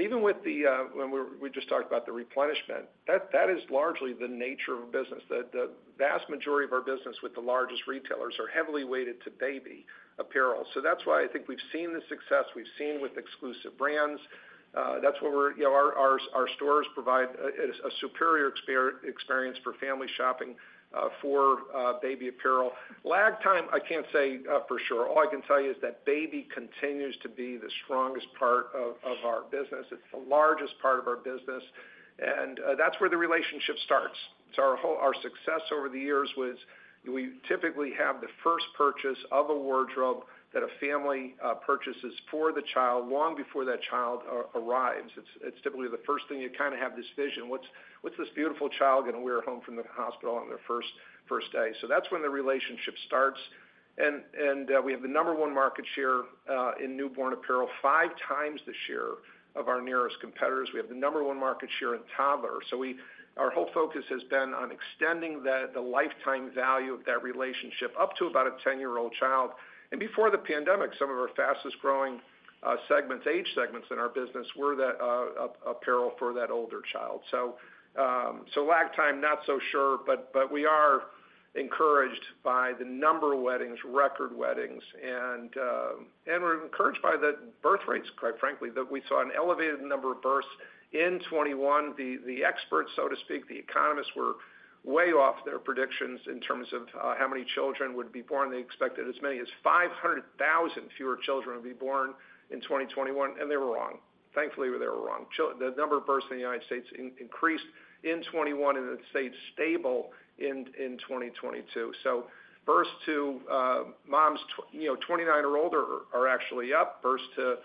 Even with the when we, we just talked about the replenishment, that, that is largely the nature of business. The, the vast majority of our business with the largest retailers are heavily weighted to baby apparel. That's why I think we've seen the success we've seen with exclusive brands. That's where you know, our, our, our stores provide a, a, a superior experience for family shopping for baby apparel. Lag time, I can't say for sure. All I can tell you is that baby continues to be the strongest part of our business. It's the largest part of our business. That's where the relationship starts. Our success over the years was we typically have the first purchase of a wardrobe that a family purchases for the child long before that child arrives. It's typically the first thing you kind of have this vision. What's, what's this beautiful child going to wear home from the hospital on their first day? That's when the relationship starts. We have the number one market share in newborn apparel, five times the share of our nearest competitors. We have the number one market share in toddler. Our whole focus has been on extending the lifetime value of that relationship up to about a 10-year-old child. Before the pandemic, some of our fastest growing segments, age segments in our business were that apparel for that older child. Lag time, not so sure, but we are encouraged by the number of weddings, record weddings, and we're encouraged by the birth rates, quite frankly. That we saw an elevated number of births in 2021. The experts, so to speak, the economists, were way off their predictions in terms of how many children would be born. They expected as many as 500,000 fewer children would be born in 2021, and they were wrong. Thankfully, they were wrong. The number of births in the United States increased in 2021, and it stayed stable in 2022. Births to moms, you know, 29 or older are actually up. Births to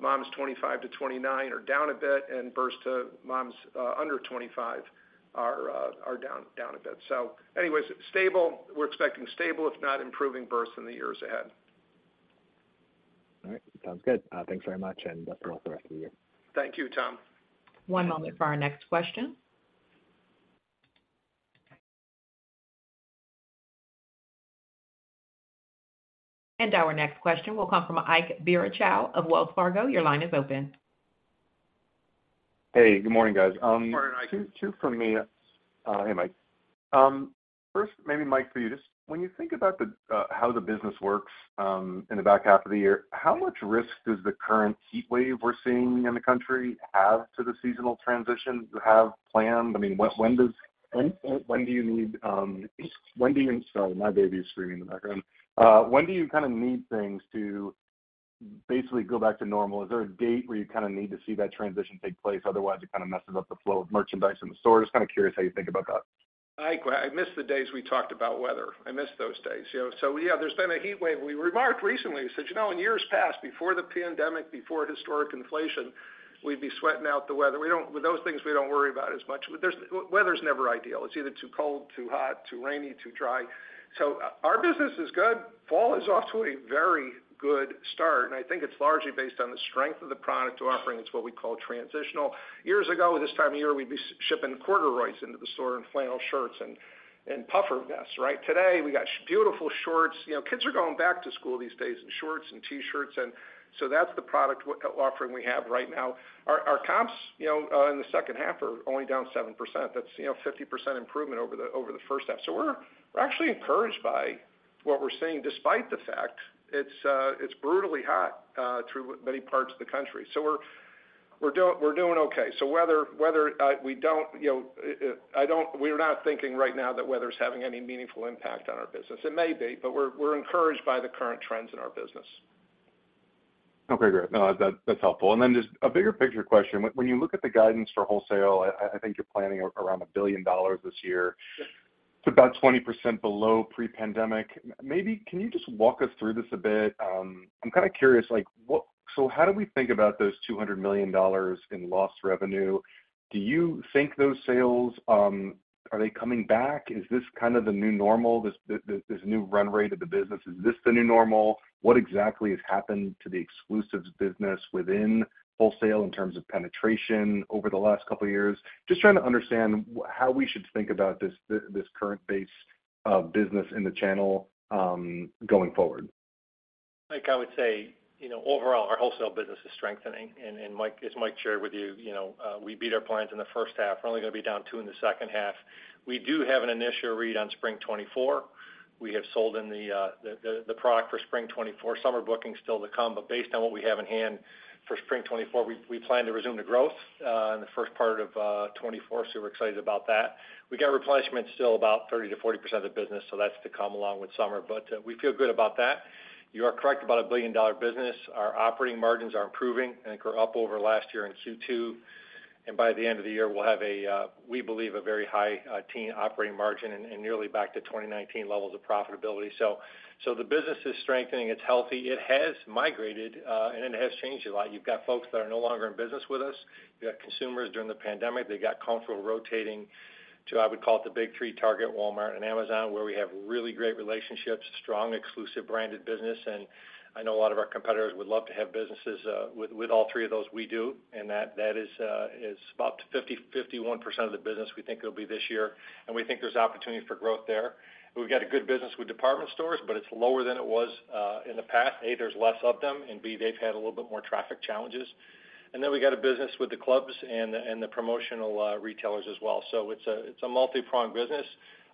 moms 25 to 29 are down a bit, and births to moms under 25 are down, down a bit. Anyways, stable. We're expecting stable, if not improving, births in the years ahead. All right. Sounds good. Thanks very much, and good luck with the rest of the year. Thank you, Tom. One moment for our next question. Our next question will come from Ike Boruchow of Wells Fargo. Your line is open. Hey, good morning, guys. Good morning, Ike. Two for me. Hey, Mike. First, maybe Mike, for you, just when you think about how the business works in the back half of the year, how much risk does the current heatwave we're seeing in the country have to the seasonal transition you have planned? I mean, when, when do you need, when do you... Sorry, my baby is screaming in the background. When do you kind of need things to basically go back to normal? Is there a date where you kind of need to see that transition take place? Otherwise, it kind of messes up the flow of merchandise in the store. Just kind of curious how you think about that. Ike, I, I miss the days we talked about weather. I miss those days, you know. Yeah, there's been a heatwave. We remarked recently, we said: You know, in years past, before the pandemic, before historic inflation, we'd be sweating out the weather. We don't with those things, we don't worry about as much. There's weather's never ideal. It's either too cold, too hot, too rainy, too dry. Our business is good. Fall is off to a very good start, and I think it's largely based on the strength of the product we're offering. It's what we call transitional. Years ago, this time of year, we'd be shipping corduroys into the store and flannel shirts and, and puffer vests, right? Today, we got beautiful shorts. You know, kids are going back to school these days in shorts and T-shirts, and that's the product offering we have right now. Our, our comps, you know, in the second half are only down 7%. That's, you know, 50% improvement over the, over the first half. We're, we're actually encouraged by what we're seeing, despite the fact it's brutally hot through many parts of the country. We're, we're doing, we're doing okay. Weather, weather, we don't, you know, we're not thinking right now that weather's having any meaningful impact on our business. It may be, but we're, we're encouraged by the current trends in our business. Okay, great. No, that, that's helpful. Then just a bigger picture question. When you look at the guidance for wholesale, I think you're planning around $1 billion this year. Yes. It's about 20% below pre-pandemic. Maybe can you just walk us through this a bit? I'm kind of curious, like, how do we think about those $200 million in lost revenue? Do you think those sales, are they coming back? Is this kind of the new normal, this, this, this new run rate of the business? Is this the new normal? What exactly has happened to the exclusives business within wholesale in terms of penetration over the last couple of years? Just trying to understand how we should think about this, this current base of business in the channel, going forward. Ike, I would say, you know, overall, our wholesale business is strengthening, as Mike shared with you, you know, we beat our plans in the first half. We're only gonna be down two in the second half. We do have an initial read on spring 2024. We have sold in the, the product for spring 2024. Summer booking is still to come, but based on what we have in hand for spring 2024, we, we plan to resume the growth in the first part of 2024. We're excited about that. We got replenishment still about 30%-40% of the business, so that's to come along with summer, but we feel good about that. You are correct, about a billion-dollar business. Our operating margins are improving, I think we're up over last year in Q2. By the end of the year, we'll have a, we believe, a very high teen operating margin and nearly back to 2019 levels of profitability. The business is strengthening, it's healthy, it has migrated and it has changed a lot. You've got folks that are no longer in business with us. You got consumers during the pandemic, they got comfortable rotating to, I would call it, the big three, Target, Walmart, and Amazon, where we have really great relationships, strong exclusive branded business. I know a lot of our competitors would love to have businesses with all 3 of those. We do, and that, that is about 50-51% of the business we think it'll be this year, and we think there's opportunity for growth there. We've got a good business with department stores, but it's lower than it was in the past. A, there's less of them, and B, they've had a little bit more traffic challenges. Then we got a business with the clubs and the promotional retailers as well. It's a multipronged business.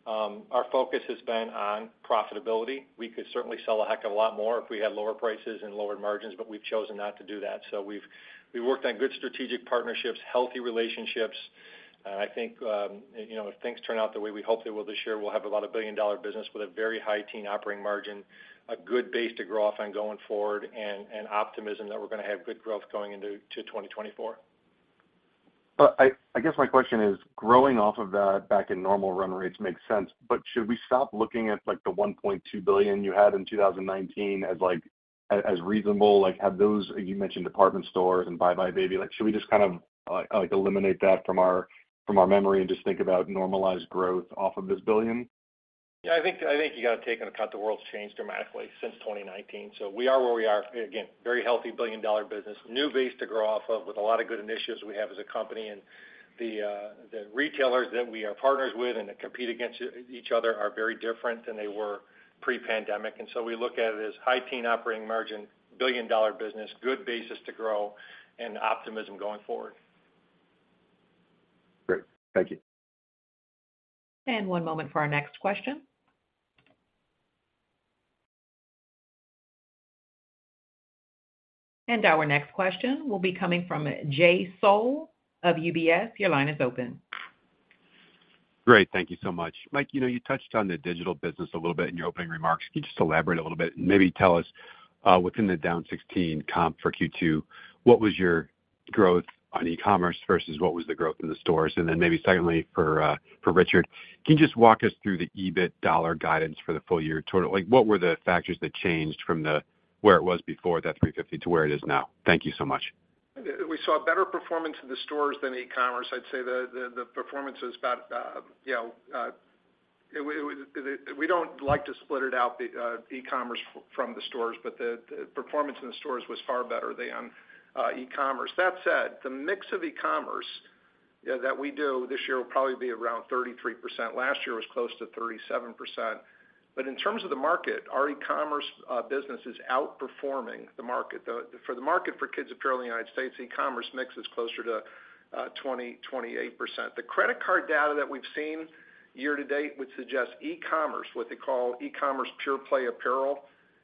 Our focus has been on profitability. We could certainly sell a heck of a lot more if we had lower prices and lower margins, but we've chosen not to do that. We've, we worked on good strategic partnerships, healthy relationships. I think, you know, if things turn out the way we hopefully will this year, we'll have about a billion-dollar business with a very high teen operating margin, a good base to grow off on going forward, and optimism that we're gonna have good growth going into 2024. I, I guess my question is, growing off of that back in normal run rates makes sense, but should we stop looking at, like, the $1.2 billion you had in 2019 as like, as, as reasonable? Like, have those, you mentioned department stores and Buy Buy Baby, like, should we just kind of, like, eliminate that from our, from our memory and just think about normalized growth off of this $1 billion? Yeah, I think, I think you got to take into account the world's changed dramatically since 2019, we are where we are. Again, very healthy billion-dollar business, new base to grow off of with a lot of good initiatives we have as a company. The retailers that we are partners with and that compete against each other are very different than they were pre-pandemic. We look at it as high teen operating margin, billion-dollar business, good basis to grow, and optimism going forward. Great. Thank you. One moment for our next question. Our next question will be coming from Jay Sole of UBS. Your line is open. Great. Thank you so much. Mike, you know, you touched on the digital business a little bit in your opening remarks. Can you just elaborate a little bit and maybe tell us, within the down 16 comp for Q2, what was your growth on e-commerce versus what was the growth in the stores? Then maybe secondly, for, for Richard, can you just walk us through the EBIT dollar guidance for the full year total? Like, what were the factors that changed from where it was before that $350 to where it is now? Thank you so much. We saw better performance in the stores than e-commerce. I'd say the, the, the performance is about, you know, We don't like to split it out the e-commerce from the stores, but the, the performance in the stores was far better than e-commerce. That said, the mix of e-commerce that we do this year will probably be around 33%. Last year was close to 37%. In terms of the market, our e-commerce business is outperforming the market. For the market for kids apparel in the United States, e-commerce mix is closer to 28%. The credit card data that we've seen year to date would suggest e-commerce, what they call e-commerce pure play apparel,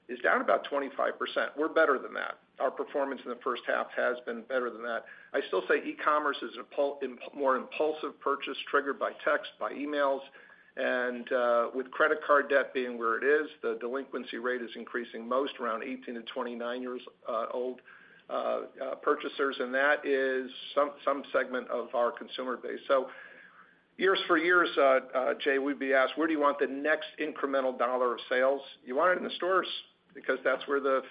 is down about 25%. We're better than that. Our performance in the first half has been better than that. I still say e-commerce is a more impulsive purchase, triggered by text, by emails, and with credit card debt being where it is, the delinquency rate is increasing most around 18 to 29 years old purchasers, and that is some, some segment of our consumer base. Years for years, Jay, we'd be asked, "Where do you want the next incremental dollar of sales?" You want it in the stores because that's where the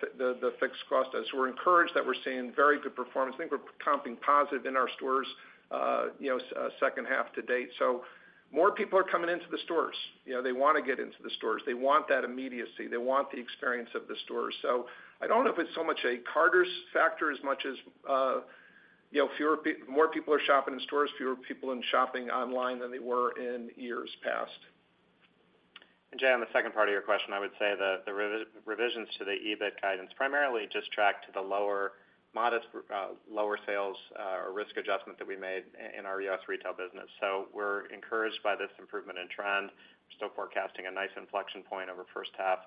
fixed cost is. We're encouraged that we're seeing very good performance. I think we're comping positive in our stores, you know, second half to date. More people are coming into the stores. You know, they wanna get into the stores. They want that immediacy. They want the experience of the stores. I don't know if it's so much a Carter's factor as much as, you know, more people are shopping in stores, fewer people shopping online than they were in years past. Jay, on the second part of your question, I would say that the revisions to the EBIT guidance primarily just track to the lower, modest, lower sales risk adjustment that we made in our U.S. retail business. We're encouraged by this improvement in trend. We're still forecasting a nice inflection point over first half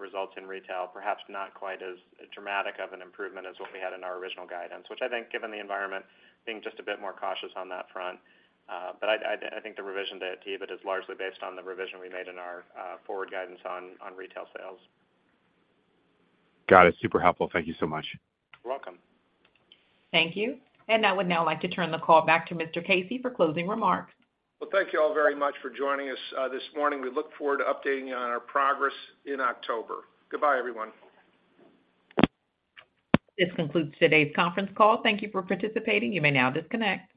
results in retail, perhaps not quite as dramatic of an improvement as what we had in our original guidance, which I think, given the environment, being just a bit more cautious on that front. I, I, I think the revision to EBIT is largely based on the revision we made in our forward guidance on, on retail sales. Got it. Super helpful. Thank you so much. You're welcome. Thank you. I would now like to turn the call back to Mr. Casey for closing remarks. Well, thank you all very much for joining us this morning. We look forward to updating you on our progress in October. Goodbye, everyone. This concludes today's conference call. Thank you for participating. You may now disconnect.